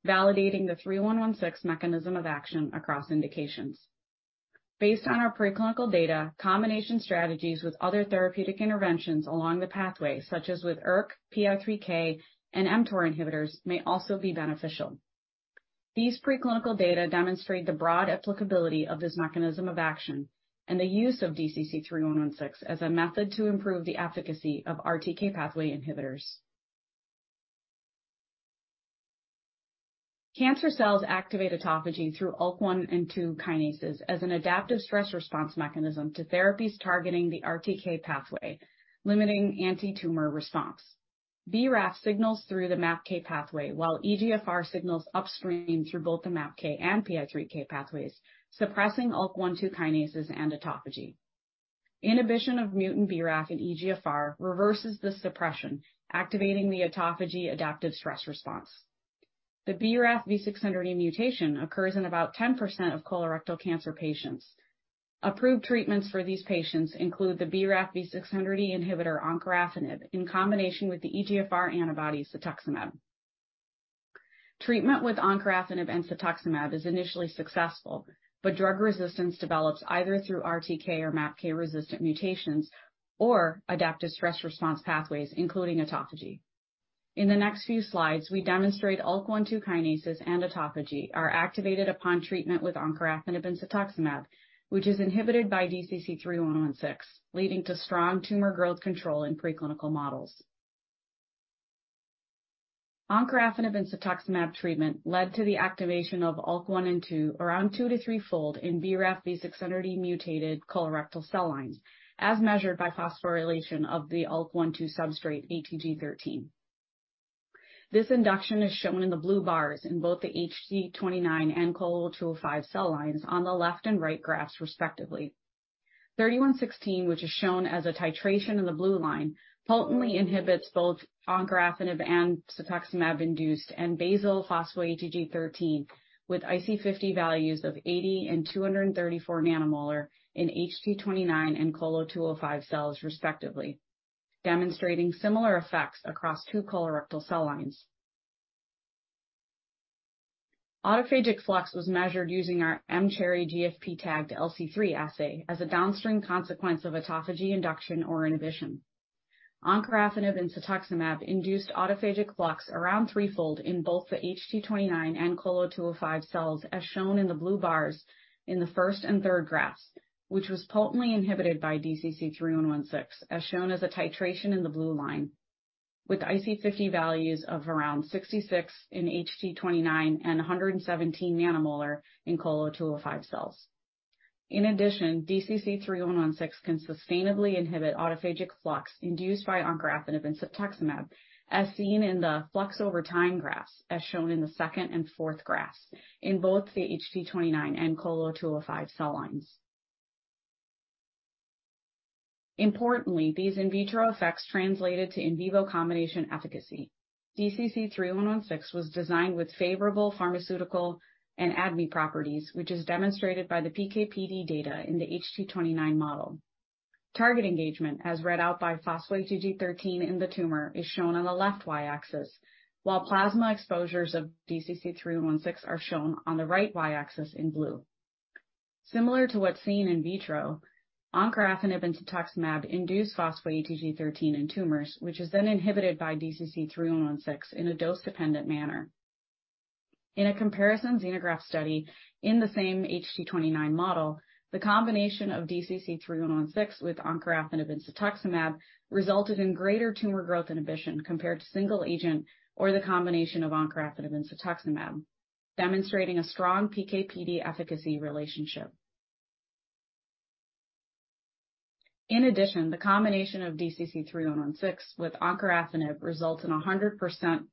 validating the 3116 mechanism of action across indications. Based on our preclinical data, combination strategies with other therapeutic interventions along the pathway, such as with ERK, PI3K, and mTOR inhibitors, may also be beneficial. These preclinical data demonstrate the broad applicability of this mechanism of action and the use of DCC-3116 as a method to improve the efficacy of RTK pathway inhibitors. Cancer cells activate autophagy through ULK1 and 2 kinases as an adaptive stress response mechanism to therapies targeting the RTK pathway, limiting antitumor response. BRAF signals through the MAPK pathway, while EGFR signals upstream through both the MAPK and PI3K pathways, suppressing ULK1/2 kinases and autophagy. Inhibition of mutant BRAF and EGFR reverses this suppression, activating the autophagy adaptive stress response. The BRAF V600E mutation occurs in about 10% of colorectal cancer patients. Approved treatments for these patients include the BRAF V600E inhibitor encorafenib in combination with the EGFR antibody cetuximab. Treatment with encorafenib and cetuximab is initially successful, but drug resistance develops either through RTK or MAPK-resistant mutations or adaptive stress response pathways, including autophagy. In the next few slides, we demonstrate ULK1/2 kinases and autophagy are activated upon treatment with encorafenib and cetuximab, which is inhibited by DCC-3116, leading to strong tumor growth control in preclinical models. Encorafenib and cetuximab treatment led to the activation of ULK1 and 2 around 2 to threefold in BRAF V600E mutated colorectal cell lines, as measured by phosphorylation of the ULK1/2 substrate ATG13. This induction is shown in the blue bars in both the HT-29 and COLO 205 cell lines on the left and right graphs respectively. DCC-3116, which is shown as a titration in the blue line, potently inhibits both encorafenib and cetuximab-induced and basal phospho-ATG13 with IC50 values of 80 and 234 nanomolar in HT-29 and COLO 205 cells respectively, demonstrating similar effects across two colorectal cell lines. Autophagic flux was measured using our mCherry-GFP-LC3 assay as a downstream consequence of autophagy induction or inhibition. Encorafenib and cetuximab induced autophagic flux around 3-fold in both the HT-29 and COLO 205 cells, as shown in the blue bars in the first and third graphs, which was potently inhibited by DCC-3116, as shown as a titration in the blue line with IC50 values of around 66 in HT-29 and 117 nanomolar in COLO 205 cells. In addition, DCC-3116 can sustainably inhibit autophagic flux induced by encorafenib and cetuximab, as seen in the flux over time graphs, as shown in the second and fourth graphs in both the HT-29 and COLO 205 cell lines. Importantly, these in vitro effects translated to in vivo combination efficacy. DCC-3116 was designed with favorable pharmaceutical and ADME properties, which is demonstrated by the PK/PD data in the HT-29 model. Target engagement, as read out by phospho-ATG13 in the tumor, is shown on the left Y-axis, while plasma exposures of DCC-3116 are shown on the right Y-axis in blue. Similar to what's seen in vitro, encorafenib and cetuximab induce phospho-ATG13 in tumors, which is then inhibited by DCC-3116 in a dose-dependent manner. In a comparison xenograft study in the same HT-29 model, the combination of DCC-3116 with encorafenib and cetuximab resulted in greater tumor growth inhibition compared to single agent or the combination of encorafenib and cetuximab, demonstrating a strong PK/PD efficacy relationship. In addition, the combination of DCC-3116 with encorafenib results in 100%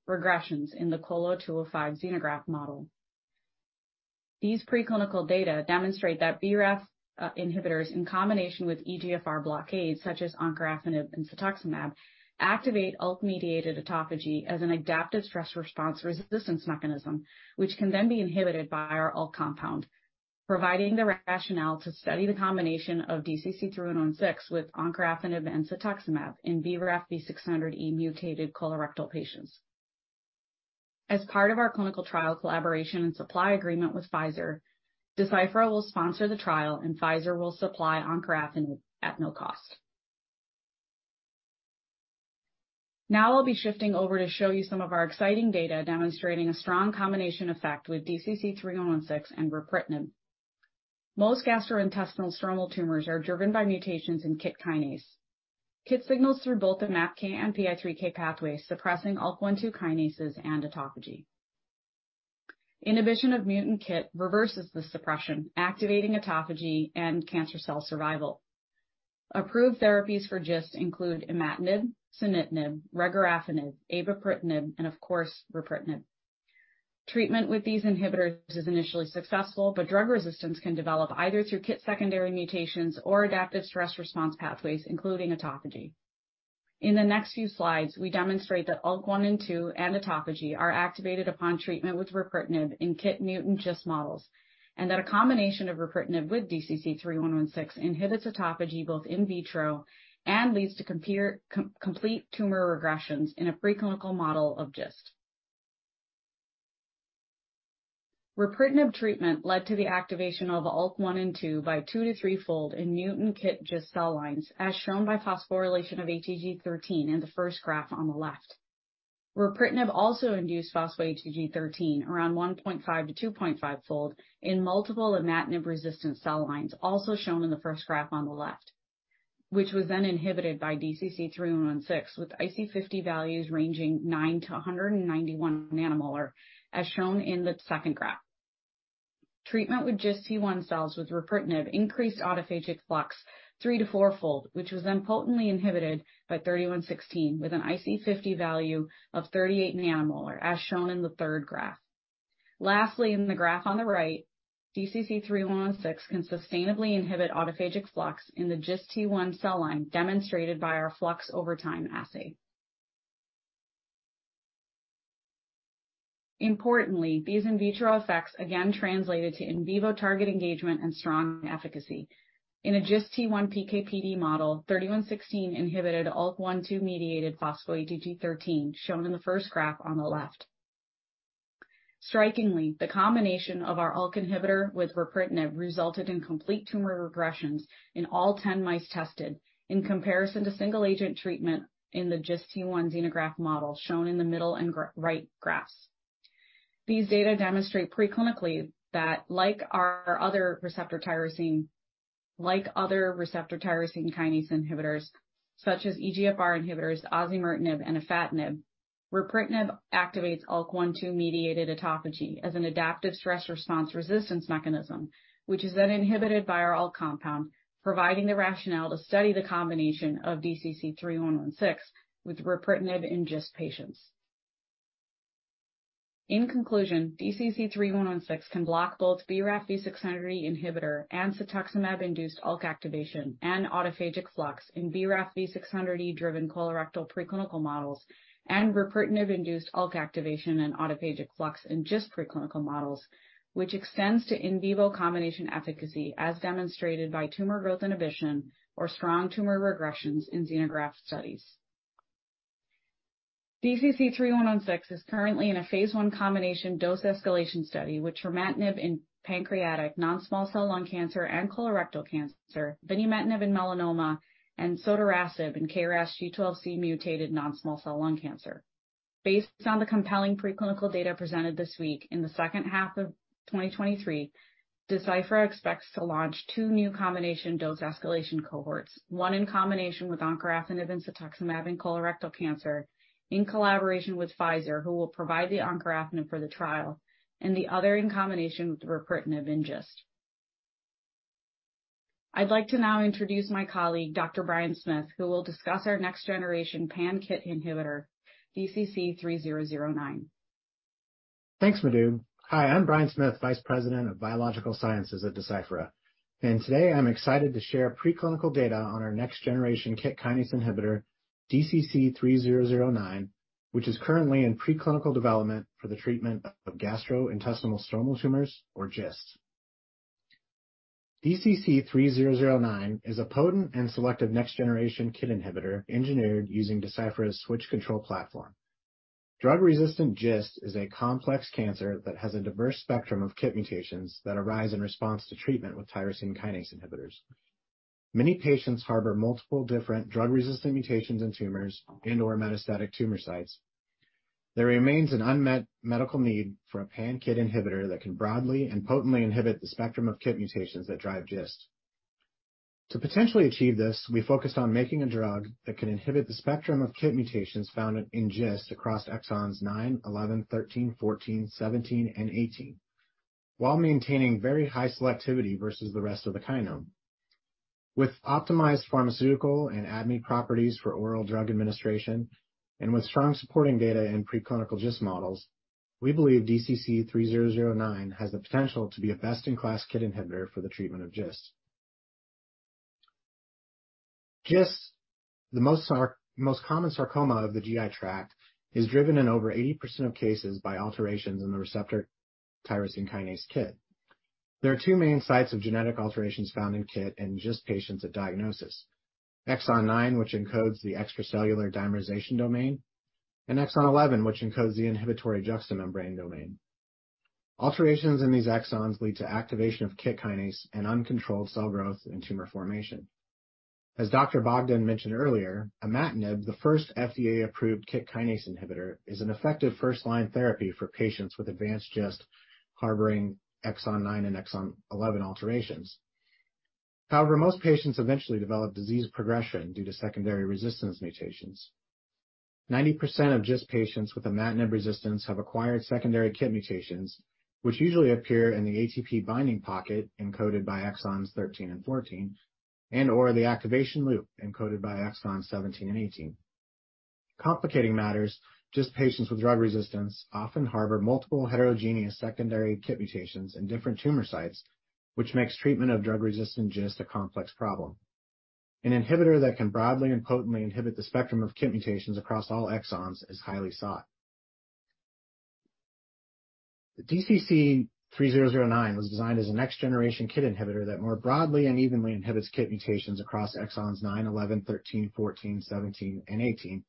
regressions in the COLO 205 xenograft model. These preclinical data demonstrate that BRAF inhibitors in combination with EGFR blockades such as encorafenib and cetuximab, activate ALK-mediated autophagy as an adaptive stress response resistance mechanism, which can then be inhibited by our ALK compound, providing the rationale to study the combination of DCC-3116 with encorafenib and cetuximab in BRAF V600E-mutated colorectal patients. As part of our clinical trial collaboration and supply agreement with Pfizer, Deciphera will sponsor the trial, and Pfizer will supply encorafenib at no cost. I'll be shifting over to show you some of our exciting data demonstrating a strong combination effect with DCC-3116 and ripretinib. Most gastrointestinal stromal tumors are driven by mutations in KIT kinase. KIT signals through both the MAPK and PI3K pathways, suppressing ALK1/2 kinases and autophagy. Inhibition of mutant KIT reverses this suppression, activating autophagy and cancer cell survival. Approved therapies for GIST include imatinib, sunitinib, regorafenib, avapritinib, and of course, ripretinib. Treatment with these inhibitors is initially successful, but drug resistance can develop either through KIT secondary mutations or adaptive stress response pathways, including autophagy. In the next few slides, we demonstrate that ULK1 and 2 and autophagy are activated upon treatment with ripretinib in KIT mutant GIST models. A combination of ripretinib with DCC-3116 inhibits autophagy both in vitro and leads to complete tumor regressions in a preclinical model of GIST. Ripretinib treatment led to the activation of ULK1 and 2 by 2-3-fold in mutant KIT GIST cell lines, as shown by phosphorylation of ATG13 in the first graph on the left. Ripretinib also induced phospho-ATG13 around 1.5-2.5-fold in multiple imatinib-resistant cell lines, also shown in the first graph on the left, which was then inhibited by DCC-3116, with IC50 values ranging 9-191 nanomolar, as shown in the second graph. Treatment with GIST-T1 cells with ripretinib increased autophagic flux 3-4-fold, which was then potently inhibited by 3116, with an IC50 value of 38 nanomolar, as shown in the third graph. Lastly, in the graph on the right, DCC-3116 can sustainably inhibit autophagic flux in the GIST-T1 cell line, demonstrated by our flux over time assay. Importantly, these in vitro effects again translated to in vivo target engagement and strong efficacy. In a GIST-T1 PK/PD model, 3116 inhibited ULK1/2-mediated phospho-ATG13, shown in the first graph on the left. Strikingly, the combination of our ULK inhibitor with ripretinib resulted in complete tumor regressions in all 10 mice tested, in comparison to single-agent treatment in the GIST-T1 xenograft model, shown in the middle and right graphs. These data demonstrate preclinically that like other receptor tyrosine kinase inhibitors, such as EGFR inhibitors, osimertinib and afatinib, ripretinib activates ALK1/2-mediated autophagy as an adaptive stress response resistance mechanism, which is then inhibited by our ALK compound, providing the rationale to study the combination of DCC-3116 with ripretinib in GIST patients. In conclusion, DCC-3116 can block both BRAF V600E inhibitor and cetuximab-induced ALK activation and autophagic flux in BRAF V600E-driven colorectal preclinical models and ripretinib-induced ALK activation and autophagic flux in GIST preclinical models, which extends to in vivo combination efficacy, as demonstrated by tumor growth inhibition or strong tumor regressions in xenograft studies. DCC-3116 is currently in a phase 1 combination dose escalation study with trametinib in pancreatic non-small cell lung cancer and colorectal cancer, binimetinib in melanoma, and sotorasib in KRAS G12C mutated non-small cell lung cancer. Based on the compelling preclinical data presented this week, in the second half of 2023, Deciphera expects to launch two new combination dose escalation cohorts, one in combination with encorafenib and cetuximab in colorectal cancer in collaboration with Pfizer, who will provide the encorafenib for the trial, and the other in combination with ripretinib in GIST. I'd like to now introduce my colleague, Dr. Bryan Smith, who will discuss our next-generation pan-KIT inhibitor, DCC-3009. Thanks, Madhu. Hi, I'm Bryan Smith, Vice President of Biological Sciences at Deciphera, and today I'm excited to share preclinical data on our next-generation KIT kinase inhibitor, DCC-3009, which is currently in preclinical development for the treatment of gastrointestinal stromal tumors, or GISTs. DCC-3009 is a potent and selective next-generation KIT inhibitor engineered using Deciphera's switch-control platform. Drug-resistant GIST is a complex cancer that has a diverse spectrum of KIT mutations that arise in response to treatment with tyrosine kinase inhibitors. Many patients harbor multiple different drug-resistant mutations in tumors and/or metastatic tumor sites. There remains an unmet medical need for a pan-KIT inhibitor that can broadly and potently inhibit the spectrum of KIT mutations that drive GIST. To potentially achieve this, we focused on making a drug that can inhibit the spectrum of KIT mutations found in GIST across exons 9, 11, 13, 14, 17, and 18, while maintaining very high selectivity versus the rest of the kinome. With optimized pharmaceutical and ADME properties for oral drug administration and with strong supporting data in preclinical GIST models, we believe DCC-3009 has the potential to be a best-in-class KIT inhibitor for the treatment of GIST. GIST, the most common sarcoma of the GI tract, is driven in over 80% of cases by alterations in the receptor tyrosine kinase KIT. There are 2 main sites of genetic alterations found in KIT in GIST patients at diagnosis: exon 9, which encodes the extracellular dimerization domain, and exon 11, which encodes the inhibitory juxtamembrane domain. Alterations in these exons lead to activation of KIT kinase and uncontrolled cell growth and tumor formation. As Dr. Bogdan mentioned earlier, imatinib, the first FDA-approved KIT kinase inhibitor, is an effective first-line therapy for patients with advanced GIST harboring exon 9 and exon 11 alterations. Most patients eventually develop disease progression due to secondary resistance mutations. 90% of GIST patients with imatinib resistance have acquired secondary KIT mutations, which usually appear in the ATP binding pocket encoded by exons 13 and 14 and/or the activation loop encoded by exons 17 and 18. Complicating matters, GIST patients with drug resistance often harbor multiple heterogeneous secondary KIT mutations in different tumor sites, which makes treatment of drug-resistant GIST a complex problem. An inhibitor that can broadly and potently inhibit the spectrum of KIT mutations across all exons is highly sought. DCC-3009 was designed as a next-generation KIT inhibitor that more broadly and evenly inhibits KIT mutations across exons 9, 11, 13, 14, 17, and 18,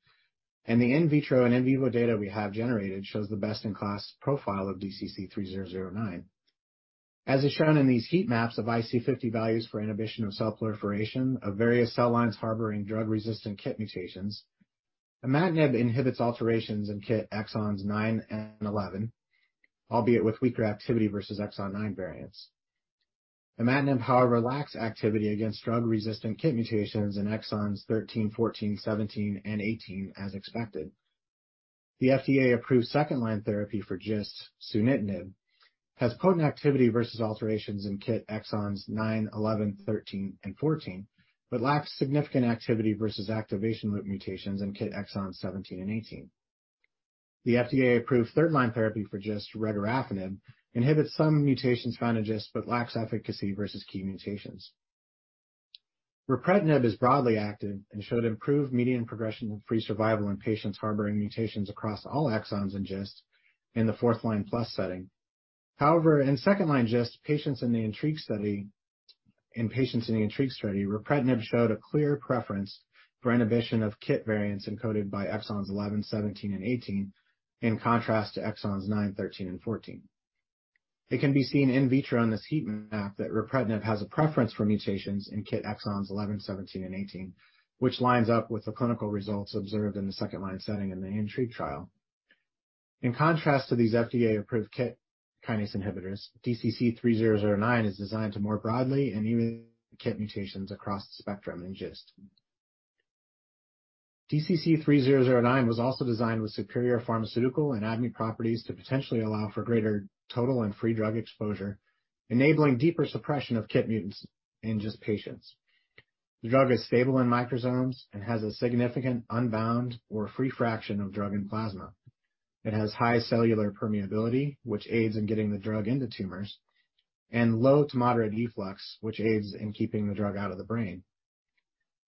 and the in vitro and in vivo data we have generated shows the best-in-class profile of DCC-3009. As is shown in these heat maps of IC50 values for inhibition of cell proliferation of various cell lines harboring drug-resistant KIT mutations, imatinib inhibits alterations in KIT exons 9 and 11, albeit with weaker activity versus exon 9 variants. Imatinib, however, lacks activity against drug-resistant KIT mutations in exons 13, 14, 17, and 18, as expected. The FDA-approved second-line therapy for GIST, sunitinib, has potent activity versus alterations in KIT exons 9, 11, 13, and 14 but lacks significant activity versus activation loop mutations in KIT exons 17 and 18. The FDA-approved third-line therapy for GIST, regorafenib, inhibits some mutations found in GIST but lacks efficacy versus key mutations. Ripretinib is broadly active and showed improved median progression-free survival in patients harboring mutations across all exons in GIST in the fourth line plus setting. However, in second-line GIST, in patients in the INTRIGUE study, ripretinib showed a clear preference for inhibition of KIT variants encoded by exons 11, 17, and 18, in contrast to exons 9, 13, and 14. It can be seen in vitro on this heat map that ripretinib has a preference for mutations in KIT exons 11, 17, and 18, which lines up with the clinical results observed in the second-line setting in the INTRIGUE trial. In contrast to these FDA-approved KIT kinase inhibitors, DCC-3009 is designed to more broadly and evenly hit KIT mutations across the spectrum in GIST. DCC-3009 was also designed with superior pharmaceutical and ADME properties to potentially allow for greater total and free drug exposure, enabling deeper suppression of KIT mutants in GIST patients. The drug is stable in microsomes and has a significant unbound or free fraction of drug and plasma. It has high cellular permeability, which aids in getting the drug into tumors, and low to moderate efflux, which aids in keeping the drug out of the brain.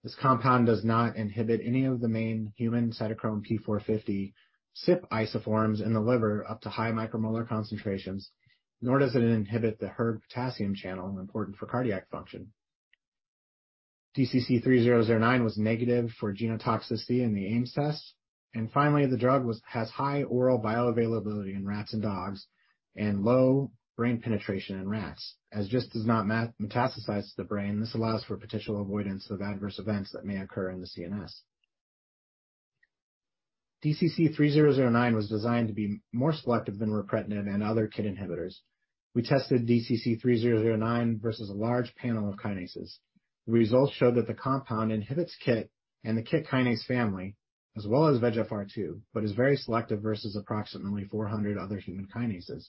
This compound does not inhibit any of the main human cytochrome P450 CYP isoforms in the liver up to high micromolar concentrations, nor does it inhibit the hERG potassium channel important for cardiac function. DCC-3009 was negative for genotoxicity in the Ames test. Finally, the drug has high oral bioavailability in rats and dogs and low brain penetration in rats. As GIST does not metastasize to the brain, this allows for potential avoidance of adverse events that may occur in the CNS. DCC-3009 was designed to be more selective than ripretinib and other KIT inhibitors. We tested DCC-3009 versus a large panel of kinases. The results show that the compound inhibits KIT and the KIT kinase family as well as VEGFR-2 but is very selective versus approximately 400 other human kinases.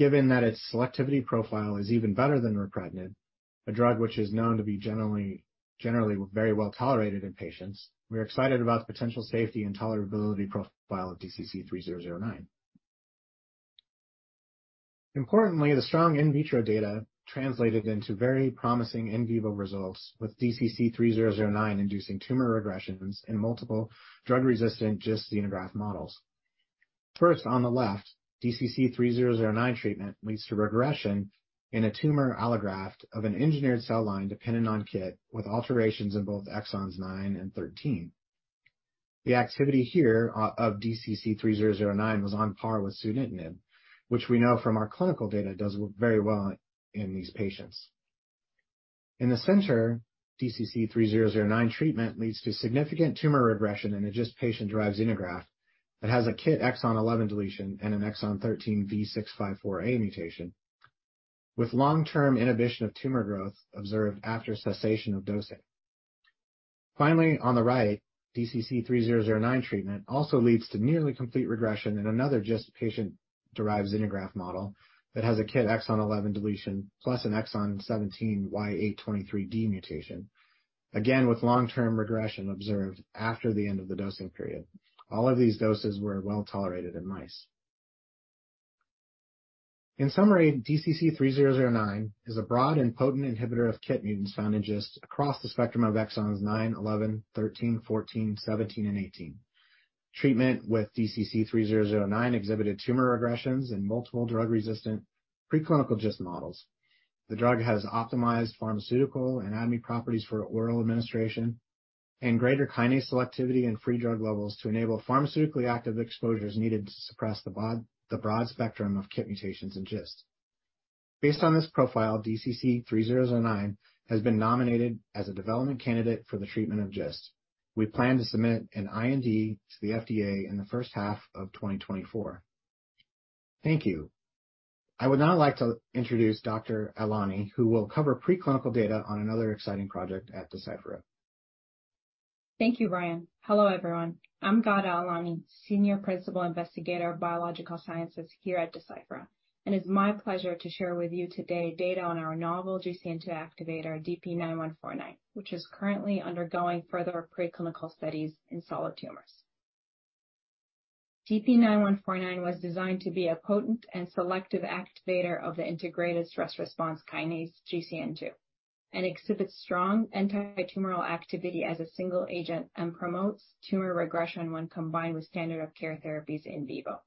Its selectivity profile is even better than ripretinib, a drug which is known to be generally very well tolerated in patients. We are excited about the potential safety and tolerability profile of DCC-3009. Importantly, the strong in vitro data translated into very promising in vivo results, with DCC-3009 inducing tumor regressions in multiple drug-resistant GIST xenograft models. First, on the left, DCC-3009 treatment leads to regression in a tumor allograft of an engineered cell line dependent on KIT with alterations in both exons 9 and 13. The activity here of DCC-3009 was on par with sunitinib, which we know from our clinical data does very well in these patients. In the center, DCC-3009 treatment leads to significant tumor regression in a GIST patient-derived xenograft that has a KIT exon 11 deletion and an exon 13 V654A mutation, with long-term inhibition of tumor growth observed after cessation of dosing. Finally, on the right, DCC-3009 treatment also leads to nearly complete regression in another GIST patient-derived xenograft model that has a KIT exon 11 deletion plus an exon 17 Y823D mutation, again with long-term regression observed after the end of the dosing period. All of these doses were well-tolerated in mice. In summary, DCC-3009 is a broad and potent inhibitor of KIT mutants found in GIST across the spectrum of exons 9, 11, 13, 14, 17, and 18. Treatment with DCC-3009 exhibited tumor regressions in multiple drug-resistant preclinical GIST models. The drug has optimized pharmaceutical and ADME properties for oral administration and greater kinase selectivity and free drug levels to enable pharmaceutically active exposures needed to suppress the broad spectrum of KIT mutations in GIST. Based on this profile, DCC-3009 has been nominated as a development candidate for the treatment of GIST. We plan to submit an IND to the FDA in the first half of 2024. Thank you. I would now like to introduce Dr. Alani, who will cover preclinical data on another exciting project at Deciphera. Thank you, Bryan. Hello, everyone. I'm Gada Al-Ani, Senior Principal Investigator, Biological Sciences here at Deciphera. It's my pleasure to share with you today data on our novel GCN2 activator, DP-9149, which is currently undergoing further preclinical studies in solid tumors. DP-9149 was designed to be a potent and selective activator of the integrated stress response kinase GCN2 and exhibits strong anti-tumor activity as a single agent and promotes tumor regression when combined with standard of care therapies in vivo.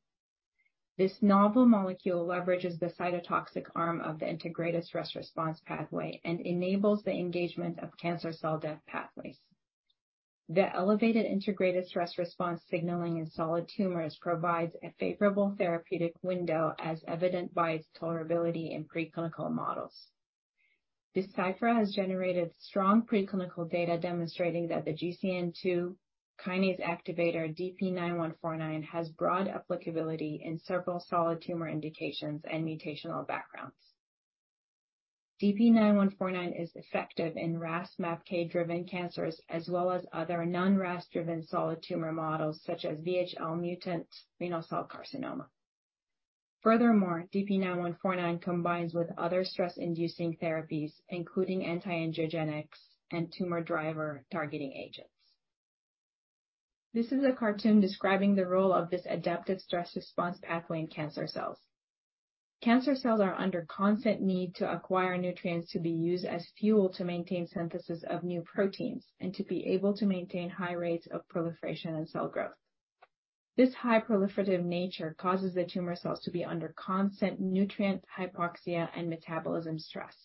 This novel molecule leverages the cytotoxic arm of the integrated stress response pathway and enables the engagement of cancer cell death pathways. The elevated integrated stress response signaling in solid tumors provides a favorable therapeutic window, as evident by its tolerability in preclinical models. Deciphera has generated strong preclinical data demonstrating that the GCN2 kinase activator DP-9149 has broad applicability in several solid tumor indications and mutational backgrounds. DP-9149 is effective in RAS/MAPK-driven cancers as well as other non-RAS-driven solid tumor models such as VHL mutant renal cell carcinoma. DP-9149 combines with other stress-inducing therapies, including anti-angiogenics and tumor driver targeting agents. This is a cartoon describing the role of this adaptive stress response pathway in cancer cells. Cancer cells are under constant need to acquire nutrients to be used as fuel to maintain synthesis of new proteins and to be able to maintain high rates of proliferation and cell growth. This high proliferative nature causes the tumor cells to be under constant nutrient hypoxia and metabolism stress.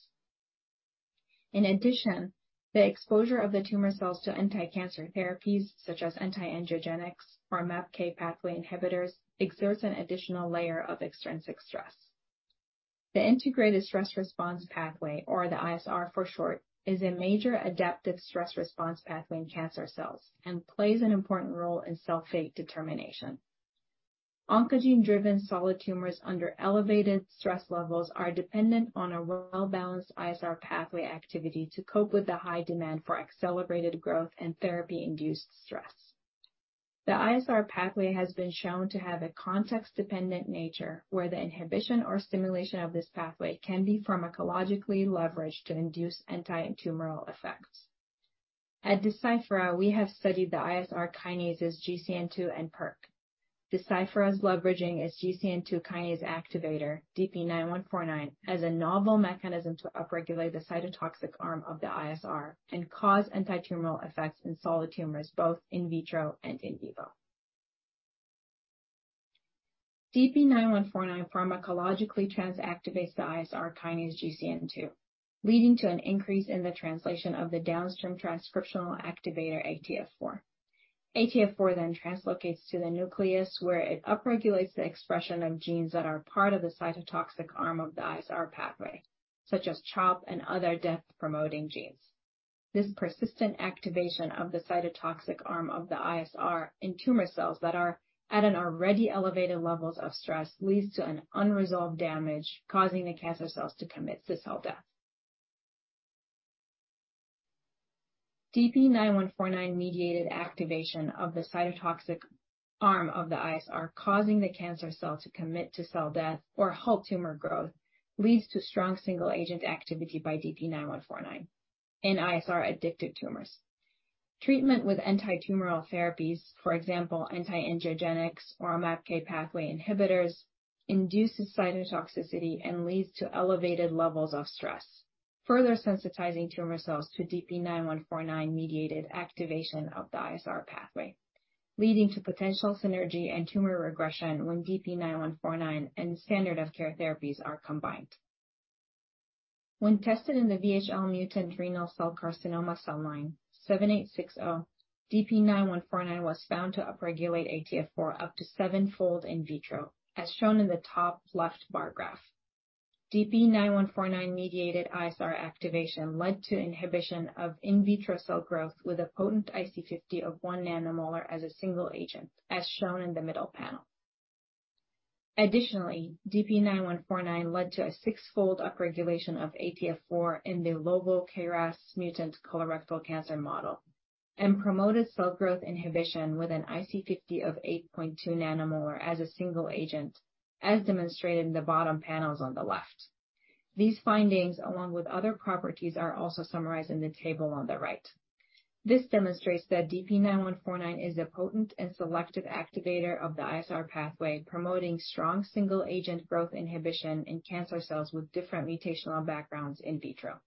The exposure of the tumor cells to anti-cancer therapies, such as anti-angiogenics or MAPK pathway inhibitors, exerts an additional layer of extrinsic stress. The integrated stress response pathway, or the ISR for short, is a major adaptive stress response pathway in cancer cells and plays an important role in cell fate determination. Oncogene-driven solid tumors under elevated stress levels are dependent on a well-balanced ISR pathway activity to cope with the high demand for accelerated growth and therapy-induced stress. The ISR pathway has been shown to have a context-dependent nature, where the inhibition or stimulation of this pathway can be pharmacologically leveraged to induce anti-tumor effects. At Deciphera, we have studied the ISR kinases GCN2 and PERK. Deciphera is leveraging its GCN2 kinase activator, DP-9149, as a novel mechanism to upregulate the cytotoxic arm of the ISR and cause anti-tumor effects in solid tumors, both in vitro and in vivo. DP-9149 pharmacologically transactivates the ISR kinase GCN2, leading to an increase in the translation of the downstream transcriptional activator, ATF4. ATF4 translocates to the nucleus, where it upregulates the expression of genes that are part of the cytotoxic arm of the ISR pathway, such as CHOP and other death-promoting genes. This persistent activation of the cytotoxic arm of the ISR in tumor cells that are at an already elevated levels of stress leads to an unresolved damage, causing the cancer cells to commit to cell death. DP-9149-mediated activation of the cytotoxic arm of the ISR, causing the cancer cell to commit to cell death or halt tumor growth, leads to strong single agent activity by DP-9149 in ISR-addicted tumors. Treatment with anti-tumor therapies, for example, anti-angiogenics or MAPK pathway inhibitors, induces cytotoxicity and leads to elevated levels of stress, further sensitizing tumor cells to DP-9149-mediated activation of the ISR pathway, leading to potential synergy and tumor regression when DP-9149 and standard of care therapies are combined. When tested in the VHL mutant renal cell carcinoma cell line, 786-O, DP-9149 was found to upregulate ATF4 up to 7-fold in vitro, as shown in the top left bar graph. DP-9149-mediated ISR activation led to inhibition of in vitro cell growth with a potent IC50 of 1 nanomolar as a single agent, as shown in the middle panel. DP-9149 led to a 6-fold upregulation of ATF4 in the LoVo KRAS mutant colorectal cancer model and promoted cell growth inhibition with an IC50 of 8.2 nanomolar as a single agent, as demonstrated in the bottom panels on the left. These findings, along with other properties, are also summarized in the table on the right. This demonstrates that DP-9149 is a potent and selective activator of the ISR pathway, promoting strong single-agent growth inhibition in cancer cells with different mutational backgrounds in vitro.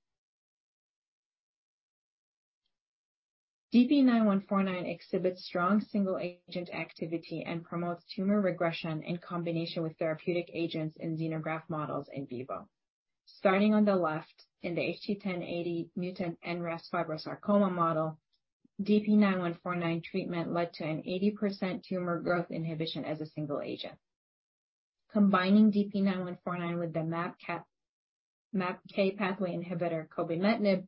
DP-9149 exhibits strong single-agent activity and promotes tumor regression in combination with therapeutic agents in xenograft models in vivo. Starting on the left, in the HT1080 mutant NRAS fibrosarcoma model, DP-9149 treatment led to an 80% tumor growth inhibition as a single agent. Combining DP-9149 with the MAPK pathway inhibitor, cobimetinib,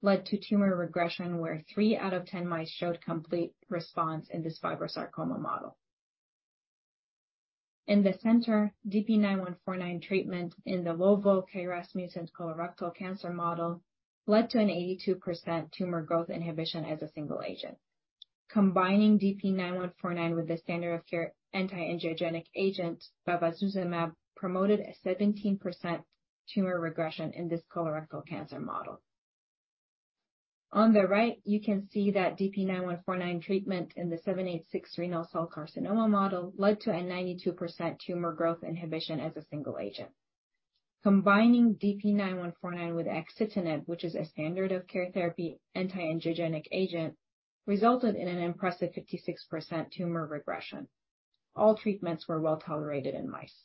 led to tumor regression where 3 out of 10 mice showed complete response in this fibrosarcoma model. In the center, DP-9149 treatment in the LoVo KRAS-mutant colorectal cancer model led to an 82% tumor growth inhibition as a single agent. Combining DP-9149 with the standard of care anti-angiogenic agent, bevacizumab, promoted a 17% tumor regression in this colorectal cancer model. On the right, you can see that DP-9149 treatment in the 786 renal cell carcinoma model led to a 92% tumor growth inhibition as a single agent. Combining DP-9149 with axitinib, which is a standard of care therapy anti-angiogenic agent, resulted in an impressive 56% tumor regression. All treatments were well-tolerated in mice.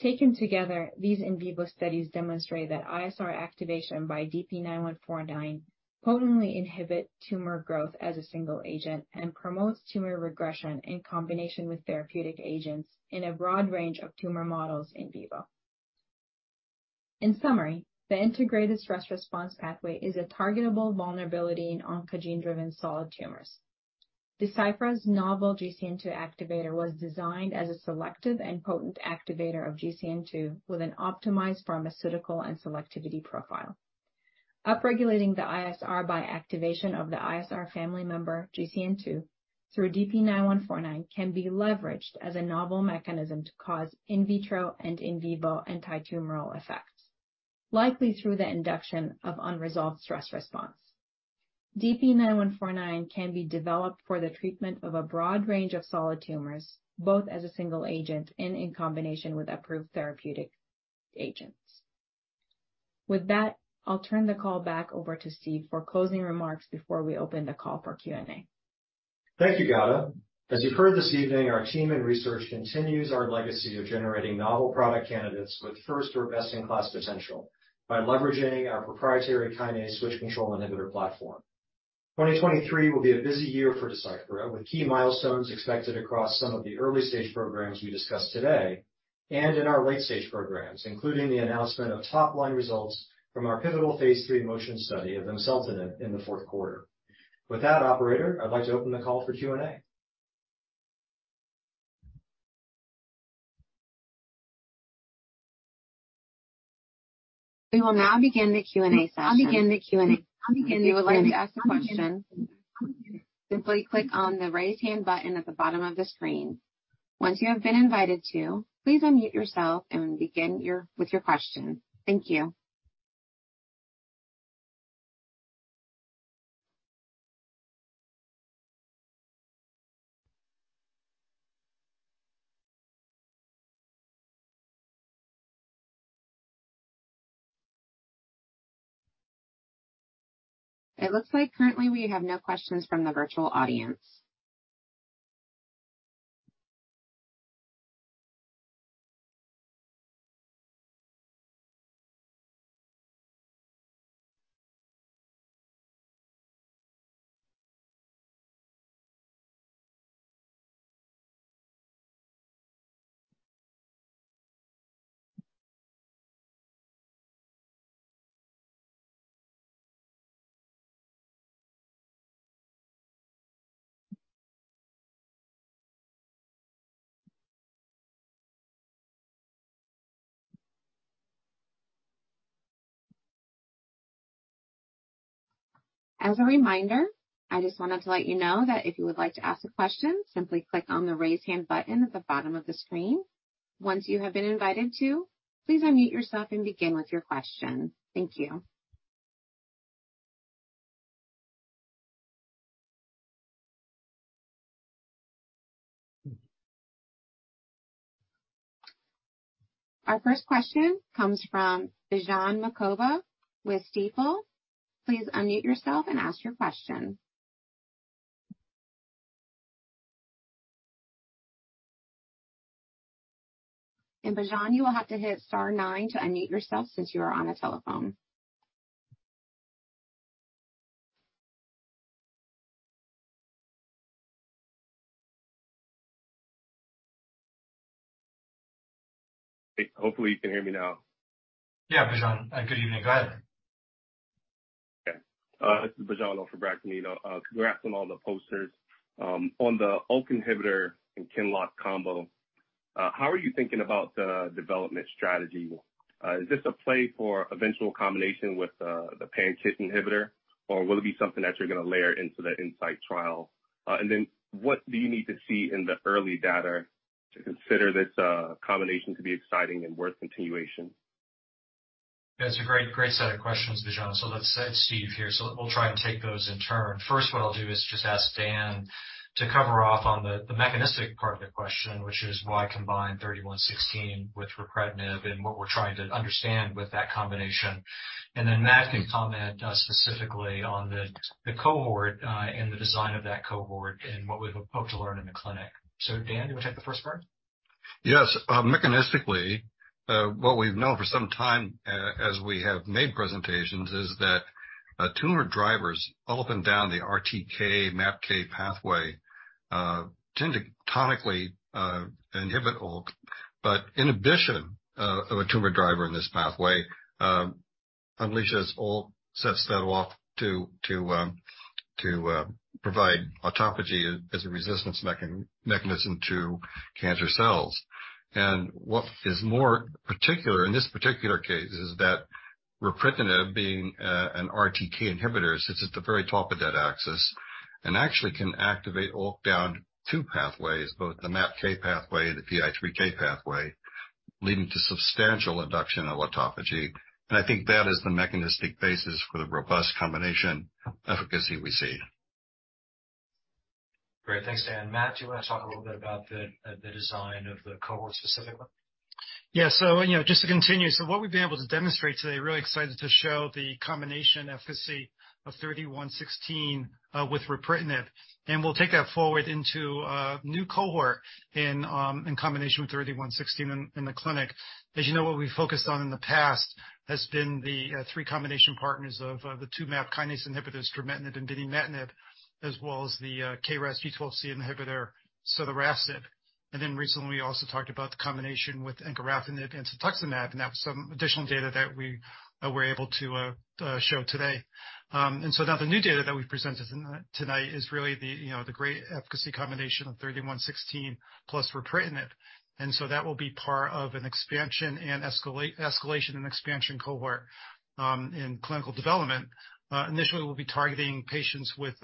Taken together, these in vivo studies demonstrate that ISR activation by DP-9149 potently inhibit tumor growth as a single agent and promotes tumor regression in combination with therapeutic agents in a broad range of tumor models in vivo. In summary, the integrated stress response pathway is a targetable vulnerability in oncogene-driven solid tumors. Deciphera's novel GCN2 activator was designed as a selective and potent activator of GCN2 with an optimized pharmaceutical and selectivity profile. Upregulating the ISR by activation of the ISR family member GCN2 through DP-9149 can be leveraged as a novel mechanism to cause in vitro and in vivo anti-tumor effects, likely through the induction of unresolved stress response. DP-9149 can be developed for the treatment of a broad range of solid tumors, both as a single agent and in combination with approved therapeutic agents. With that, I'll turn the call back over to Steve for closing remarks before we open the call for Q&A. Thank you, Gada. As you've heard this evening, our team in research continues our legacy of generating novel product candidates with first or best-in-class potential by leveraging our proprietary kinase switch-control kinase inhibitor platform. 2023 will be a busy year for Deciphera, with key milestones expected across some of the early-stage programs we discussed today and in our late-stage programs, including the announcement of top-line results from our pivotal phase 3 MOTION study of ensartinib in the fourth quarter. With that, operator, I'd like to open the call for Q&A. We will now begin the Q&A session. If you would like to ask a question, simply click on the right-hand button at the bottom of the screen. Once you have been invited to, please unmute yourself and begin with your question. Thank you. It looks like currently we have no questions from the virtual audience. As a reminder, I just wanted to let you know that if you would like to ask a question, simply click on the Raise Hand button at the bottom of the screen. Once you have been invited to, please unmute yourself and begin with your question. Thank you. Our first question comes from Bijan Mokhtari with Stifel. Please unmute yourself and ask your question. Bijan, you will have to hit star nine to unmute yourself since you are on a telephone. Hopefully you can hear me now. Yeah, Bijan. Good evening, either. This is Bijan with Barclays and Leerink. Congrats on all the posters. On the ALK inhibitor and QINLOCK combo, how are you thinking about the development strategy? Is this a play for eventual combination with the pan-KIT inhibitor, or will it be something that you're gonna layer into the INSIGHT study? What do you need to see in the early data to consider this combination to be exciting and worth continuation? That's a great set of questions, Bijan. It's Steve here. We'll try and take those in turn. First, what I'll do is just ask Dan to cover off on the mechanistic part of the question, which is why combine DCC-3116 with ripretinib and what we're trying to understand with that combination. Matt can comment specifically on the cohort and the design of that cohort and what we hope to learn in the clinic. Dan, do you wanna take the first part? Yes. Mechanistically, what we've known for some time as we have made presentations is that tumor drivers up and down the RTK, MAPK pathway, tend to tonically inhibit ALK, but inhibition of a tumor driver in this pathway, unleashes ALK, sets that off to provide autophagy as a resistance mechanism to cancer cells. What is more particular in this particular case is that ripretinib being an RTK inhibitor, sits at the very top of that axis and actually can activate ALK down two pathways, both the MAPK pathway and the PI3K pathway, leading to substantial induction of autophagy. I think that is the mechanistic basis for the robust combination efficacy we see. Great. Thanks, Dan. Matt, do you wanna talk a little bit about the design of the cohort specifically? Yeah. You know, just to continue. What we've been able to demonstrate today, really excited to show the combination efficacy of DCC-3116 with ripretinib, and we'll take that forward into a new cohort in combination with DCC-3116 in the clinic. As you know, what we focused on in the past has been the 3 combination partners of the two MAPK inhibitors, trametinib and binimetinib, as well as the KRAS G12C inhibitor, sotorasib. Recently, we also talked about the combination with encorafenib and cetuximab, and that was some additional data that we were able to show today. Now the new data that we presented tonight is really the, you know, the great efficacy combination of DCC-3116 plus ripretinib. That will be part of an escalation and expansion cohort in clinical development. Initially, we'll be targeting patients with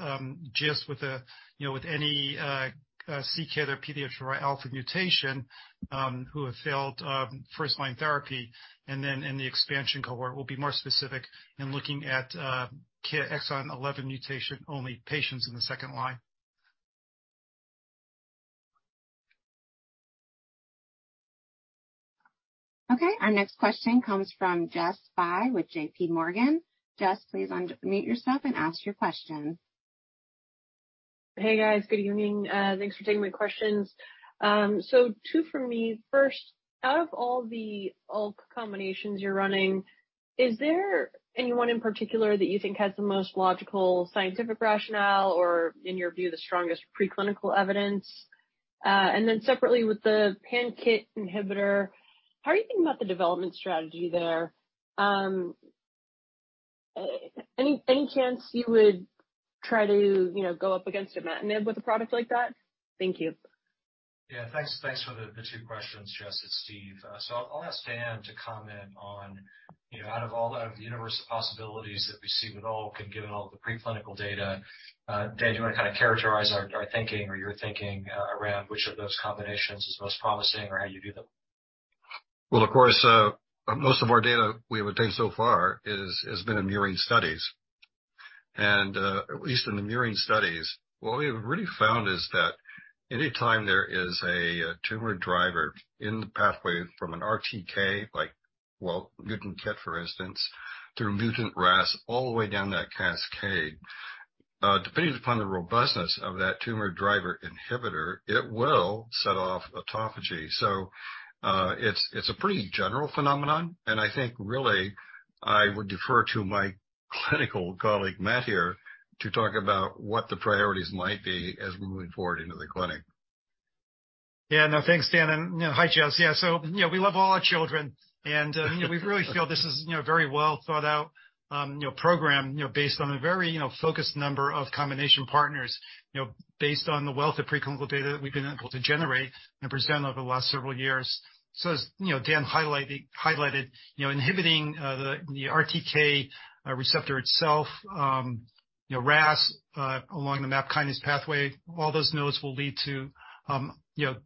just with a, you know, with any KIT or pediatric or PDGFRα mutation who have failed first-line therapy. In the expansion cohort, we'll be more specific in looking at KIT exon 11 mutation-only patients in the second line. Okay. Our next question comes from Jess Fye with J.P. Morgan. Jess, please un-mute yourself and ask your question. Hey, guys. Good evening. Thanks for taking my questions. Two for me. First, out of all the ALK combinations you're running, is there anyone in particular that you think has the most logical scientific rationale or in your view, the strongest preclinical evidence? Separately, with the pan-KIT inhibitor, how are you thinking about the development strategy there? Any chance you would try to, you know, go up against imatinib with a product like that? Thank you. Yeah, thanks for the two questions, Jess. It's Steve. I'll ask Dan to comment on, you know, out of all the universe of possibilities that we see with ALK and given all the preclinical data, Dan, do you wanna kinda characterize our thinking or your thinking, around which of those combinations is most promising or how you view them? Well, of course, most of our data we've obtained so far has been in mirroring studies. At least in the mirroring studies, what we've really found is that anytime there is a tumor driver in the pathway from an RTK, like, well, mutant KIT, for instance, through mutant RAS all the way down that cascade, depending upon the robustness of that tumor driver inhibitor, it will set off autophagy. It's a pretty general phenomenon, and I think really I would defer to my clinical colleague, Matt here, to talk about what the priorities might be as we're moving forward into the clinic. Yeah. No, thanks, Dan. You know, hi, Jess. Yeah, so you know, we love all our children, and, you know, we really feel this is, you know, very well thought out, you know, program, you know, based on a very, you know, focused number of combination partners. You know, based on the wealth of preclinical data that we've been able to generate and present over the last several years. As, you know, Dan highlighted, you know, inhibiting the RTK receptor itself, you know, RAS, along the MAP kinase pathway, all those nodes will lead to, you know,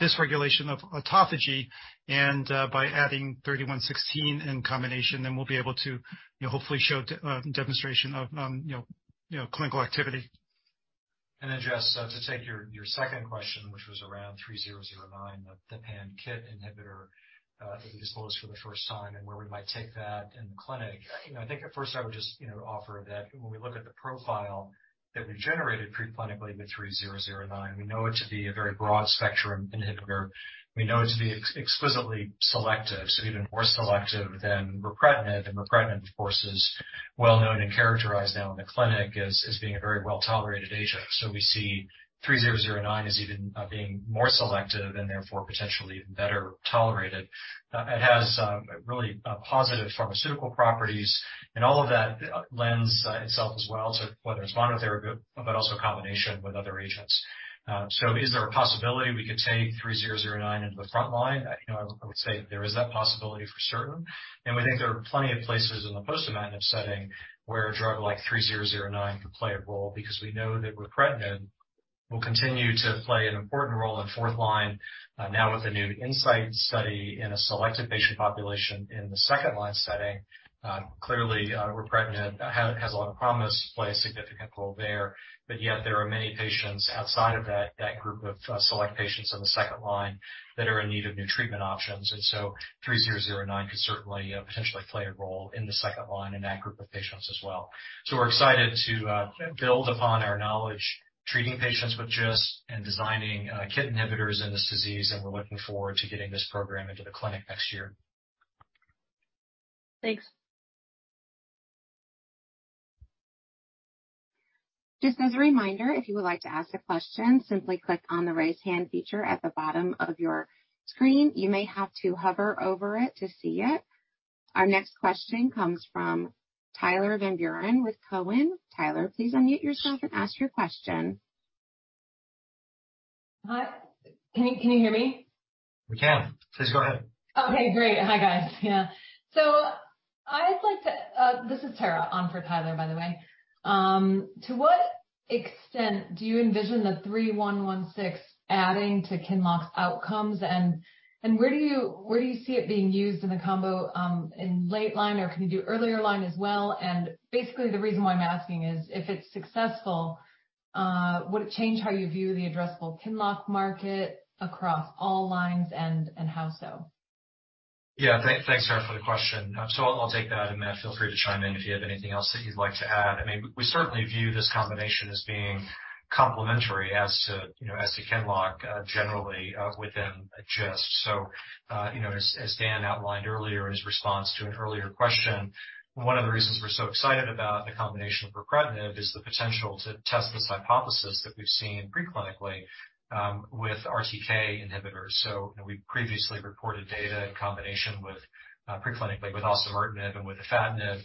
dysregulation of autophagy. By adding 3116 in combination, we'll be able to, you know, hopefully show demonstration of, you know, clinical activity. Then, Jess, to take your second question, which was around DCC-3009, the pan-KIT inhibitor, that we disclosed for the first time and where we might take that in the clinic. You know, I think at first I would just, you know, offer that when we look at the profile that we generated preclinically with DCC-3009, we know it to be a very broad spectrum inhibitor. We know it to be exquisitely selective, so even more selective than ripretinib. Ripretinib, of course, is well known and characterized now in the clinic as being a very well-tolerated agent. We see DCC-3009 as even being more selective and therefore potentially better tolerated. It has, really, positive pharmaceutical properties and all of that lends itself as well to whether it's monotherapy, but also combination with other agents. So is there a possibility we could take three-zero-zero-nine into the front line? You know, I would say there is that possibility for certain. We think there are plenty of places in the post-metative setting where a drug like three-zero-zero-nine could play a role because we know that reprenib will continue to play an important role in fourth line. Now, with the new INSIGHT study in a selected patient population in the second line setting, clearly, reprenib has a lot of promise to play a significant role there. Yet there are many patients outside of that group of select patients in the second line that are in need of new treatment options. Three-zero-zero-nine could certainly, potentially play a role in the second line in that group of patients as well. We're excited to build upon our knowledge treating patients with GIST and designing KIT inhibitors in this disease. We're looking forward to getting this program into the clinic next year. Thanks. Just as a reminder, if you would like to ask a question, simply click on the Raise Hand feature at the bottom of your screen. You may have to hover over it to see it. Our next question comes from Tyler Van Buren with Cowen. Tyler, please unmute yourself and ask your question. Hi, can you hear me? We can. Please go ahead. Okay, great. Hi, guys. Yeah. This is Tara on for Tyler, by the way. To what extent do you envision DCC-3116 adding to QINLOCK's outcomes? Where do you see it being used in a combo, in late line, or can you do earlier line as well? Basically, the reason why I'm asking is, if it's successful, would it change how you view the addressable QINLOCK market across all lines, and how so? Yeah. Thanks, Tara, for the question. I'll take that, and Matt, feel free to chime in if you have anything else that you'd like to add. I mean, we certainly view this combination as being complementary as to, you know, as to QINLOCK generally within GIST. You know, as Dan outlined earlier in his response to an earlier question, one of the reasons we're so excited about the combination of ripretinib is the potential to test this hypothesis that we've seen preclinically with RTK inhibitors. You know, we previously reported data in combination preclinically with osimertinib and with avapritinib,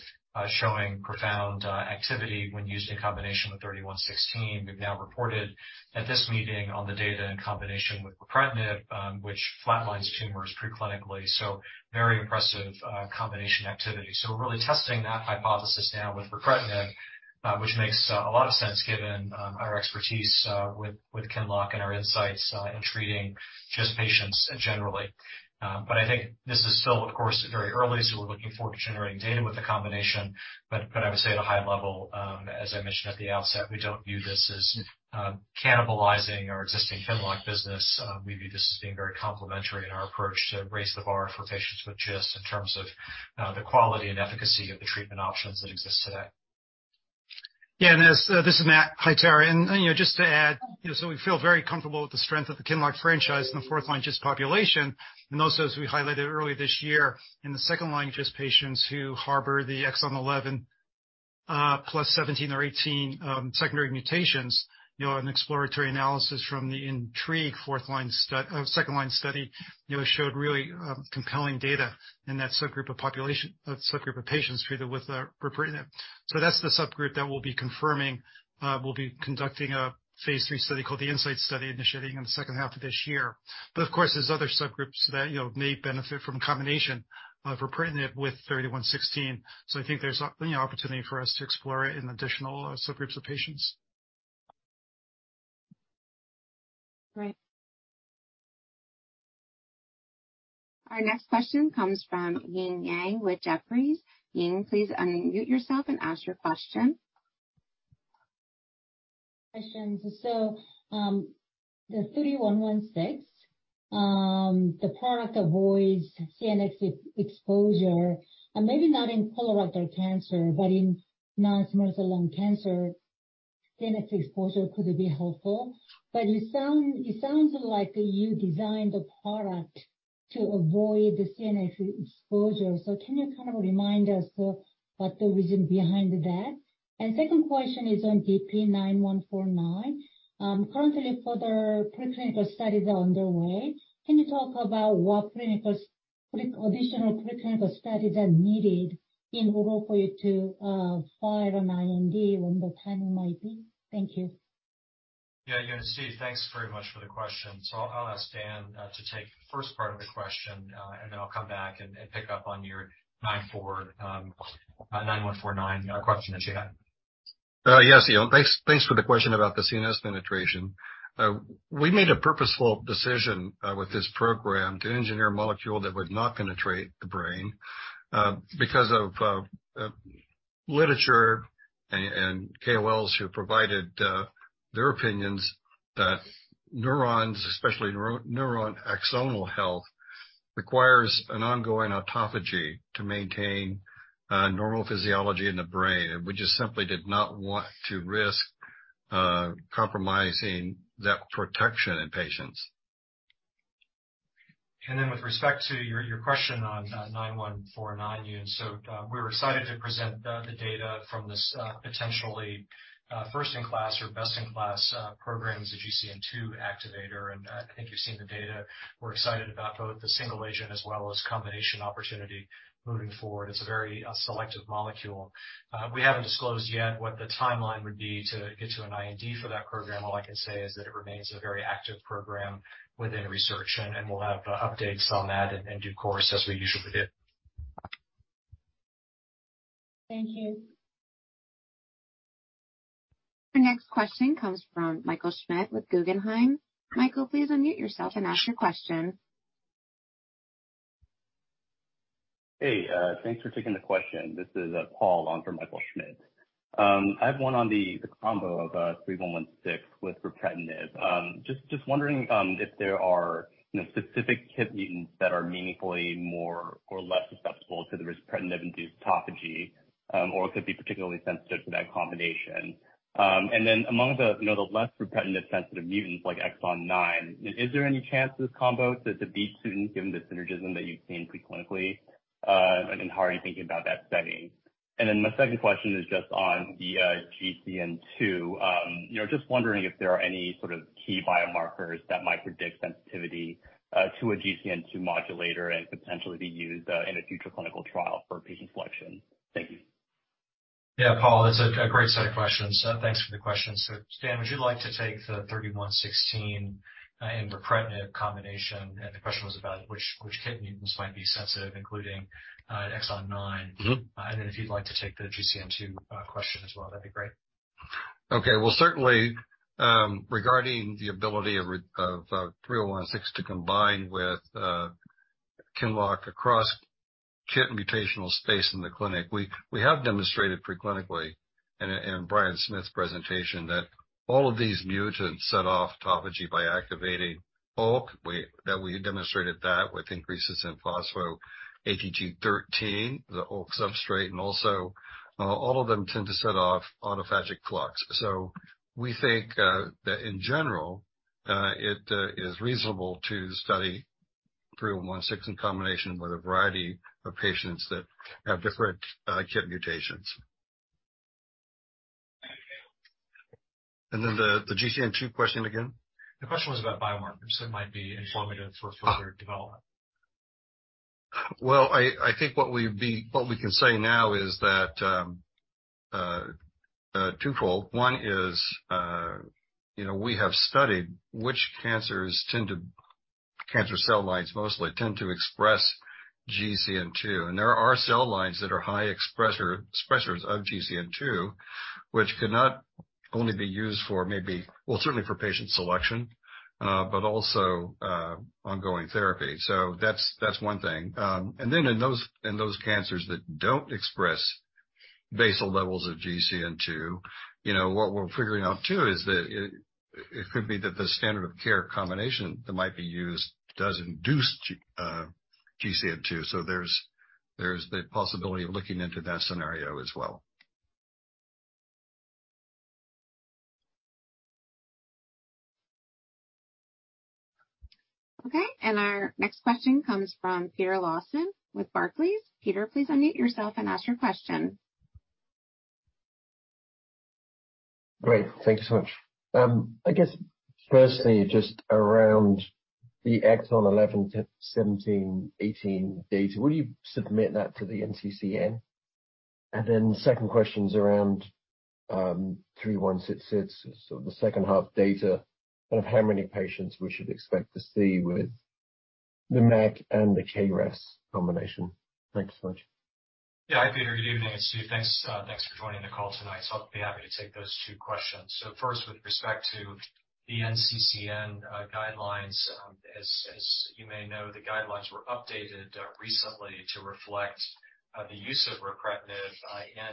showing profound activity when used in combination with DCC-3116. We've now reported at this meeting on the data in combination with ripretinib, which flatlines tumors preclinically, so very impressive combination activity. We're really testing that hypothesis now with ripretinib, which makes a lot of sense given our expertise with QINLOCK and our insights in treating GIST patients generally. I think this is still, of course, very early, so we're looking forward to generating data with the combination. I would say at a high level, as I mentioned at the outset, we don't view this as cannibalizing our existing QINLOCK business. We view this as being very complementary in our approach to raise the bar for patients with GIST in terms of the quality and efficacy of the treatment options that exist today. This is Matt. Hi, Tara. You know, just to add, you know, we feel very comfortable with the strength of the QINLOCK franchise in the fourth line GIST population. Also, as we highlighted earlier this year, in the second line GIST patients who harbor the exon 11, plus 17 or 18 secondary mutations. You know, an exploratory analysis from the INTRIGUE second line study, you know, showed really compelling data in that subgroup of patients treated with ripretinib. That's the subgroup that we'll be confirming. We'll be conducting a phase 3 study called the INSIGHT study, initiating in the second half of this year. Of course, there's other subgroups that, you know, may benefit from combination of ripretinib with DCC-3116. I think there's you know, opportunity for us to explore it in additional subgroups of patients. Great. Our next question comes from Eun Yang with Jefferies. Eun, please unmute yourself and ask your question. Questions. The DCC-3116, the product avoids CNS exposure. Maybe not in colorectal cancer, but in non-small cell lung cancer, CNS exposure could be helpful. It sounds like you designed the product to avoid the CNS exposure. Can you kind of remind us what the reason behind that? Second question is on DP-9149. Currently further preclinical studies are underway. Can you talk about what additional preclinical studies are needed in order for you to file an IND when the timing might be? Thank you. Yeah. Yeah. Steve, thanks very much for the question. I'll ask Dan, to take the first part of the question, and then I'll come back and pick up on your 9149 question that you had. Yes, you know, thanks for the question about the CNS penetration. We made a purposeful decision with this program to engineer a molecule that would not penetrate the brain, because of literature and KOLs who provided their opinions that neurons, especially neuron axonal health, requires an ongoing autophagy to maintain normal physiology in the brain. We just simply did not want to risk compromising that protection in patients. With respect to your question on DP-9149 unit. We're excited to present the data from this potentially first in class or best in class programs, the GCN2 activator. I think you've seen the data. We're excited about both the single agent as well as combination opportunity moving forward. It's a very selective molecule. We haven't disclosed yet what the timeline would be to get to an IND for that program. All I can say is that it remains a very active program within research, and we'll have updates on that in due course, as we usually do. Thank you. The next question comes from Michael Schmidt with Guggenheim. Michael, please unmute yourself and ask your question. Hey, thanks for taking the question. This is Paul on for Michael Schmidt. I have one on the combo of 3116 with ripretinib. Just wondering, you know, if there are specific KIT mutants that are meaningfully more or less susceptible to the ripretinib-induced autophagy or could be particularly sensitive to that combination. Among the, you know, the less ripretinib-sensitive mutants like exon 9, is there any chance this combo could defeat soon given the synergism that you've seen pre-clinically, and how are you thinking about that setting? My second question is just on the GCN2. You know, just wondering if there are any sort of key biomarkers that might predict sensitivity to a GCN2 modulator and potentially be used in a future clinical trial for patient selection. Thank you. Yeah. Paul, that's a great set of questions. Thanks for the question. Dan, would you like to take the DCC-3116 and ripretinib combination? The question was about which KIT mutants might be sensitive, including exon 9. Mm-hmm. If you'd like to take the GCN2 question as well, that'd be great. Okay. Well, certainly, regarding the ability of DCC-3116 to combine with QINLOCK across KIT mutational space in the clinic, we have demonstrated pre-clinically in Bryan Smith's presentation that all of these mutants set off autophagy by activating ULK. We demonstrated that with increases in phospho ATG13, the ULK substrate, and also, all of them tend to set off autophagic flux. We think that in general, it is reasonable to study DCC-3116 in combination with a variety of patients that have different KIT mutations. The GCN2 question again? The question was about biomarkers that might be informative for further development. Well, I think what we can say now is that, twofold. One is, you know, we have studied which cancer cell lines mostly tend to express GCN2. And there are cell lines that are high expressers of GCN2, which could not only be used for certainly for patient selection, but also ongoing therapy. That's one thing. In those cancers that don't express basal levels of GCN2, you know, what we're figuring out too is that it could be that the standard of care combination that might be used does induce GCN2. There's the possibility of looking into that scenario as well. Okay. Our next question comes from Peter Lawson with Barclays. Peter, please unmute yourself and ask your question. Great. Thank you so much. I guess firstly, just around the exon 11 to 17, 18 data, will you submit that to the NCCN? The second question's around 3116, so the second half data of how many patients we should expect to see with the MEK and the KRAS combination. Thank you so much. Yeah. Hi, Peter. Good evening. It's Steve. Thanks, thanks for joining the call tonight. I'll be happy to take those two questions. First, with respect to the NCCN guidelines, as you may know, the guidelines were updated recently to reflect the use of ripretinib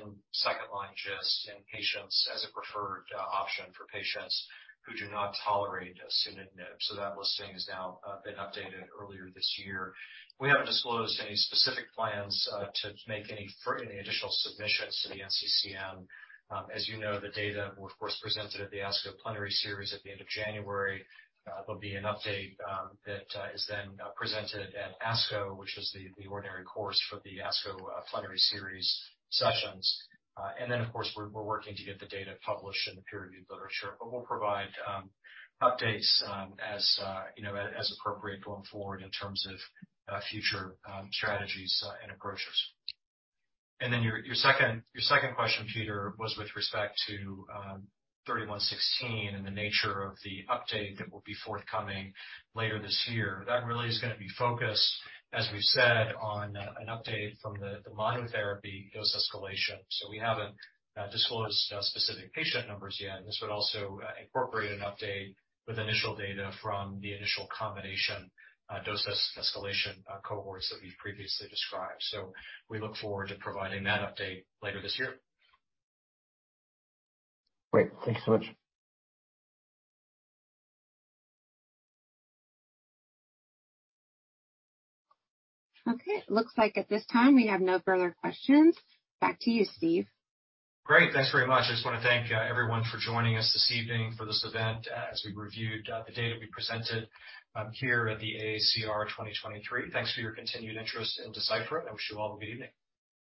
in second line GIST in patients as a preferred option for patients who do not tolerate sunitinib. That listing has now been updated earlier this year. We haven't disclosed any specific plans to make any additional submissions to the NCCN. As you know, the data were, of course, presented at the ASCO Plenary Series at the end of January. There'll be an update that is then presented at ASCO, which is the ordinary course for the ASCO Plenary Series sessions. Of course, we're working to get the data published in the peer-reviewed literature. We'll provide updates, as, you know, as appropriate going forward in terms of future strategies and approaches. Your second question, Peter, was with respect to DCC-3116 and the nature of the update that will be forthcoming later this year. That really is gonna be focused, as we've said, on an update from the monotherapy dose escalation. We haven't disclosed specific patient numbers yet. This would also incorporate an update with initial data from the initial combination doses escalation cohorts that we've previously described. We look forward to providing that update later this year. Great. Thank you so much. Okay. Looks like at this time we have no further questions. Back to you, Steve. Great. Thanks very much. I just wanna thank everyone for joining us this evening for this event as we reviewed the data we presented here at the AACR 2023. Thanks for your continued interest in Deciphera. I wish you all a good evening.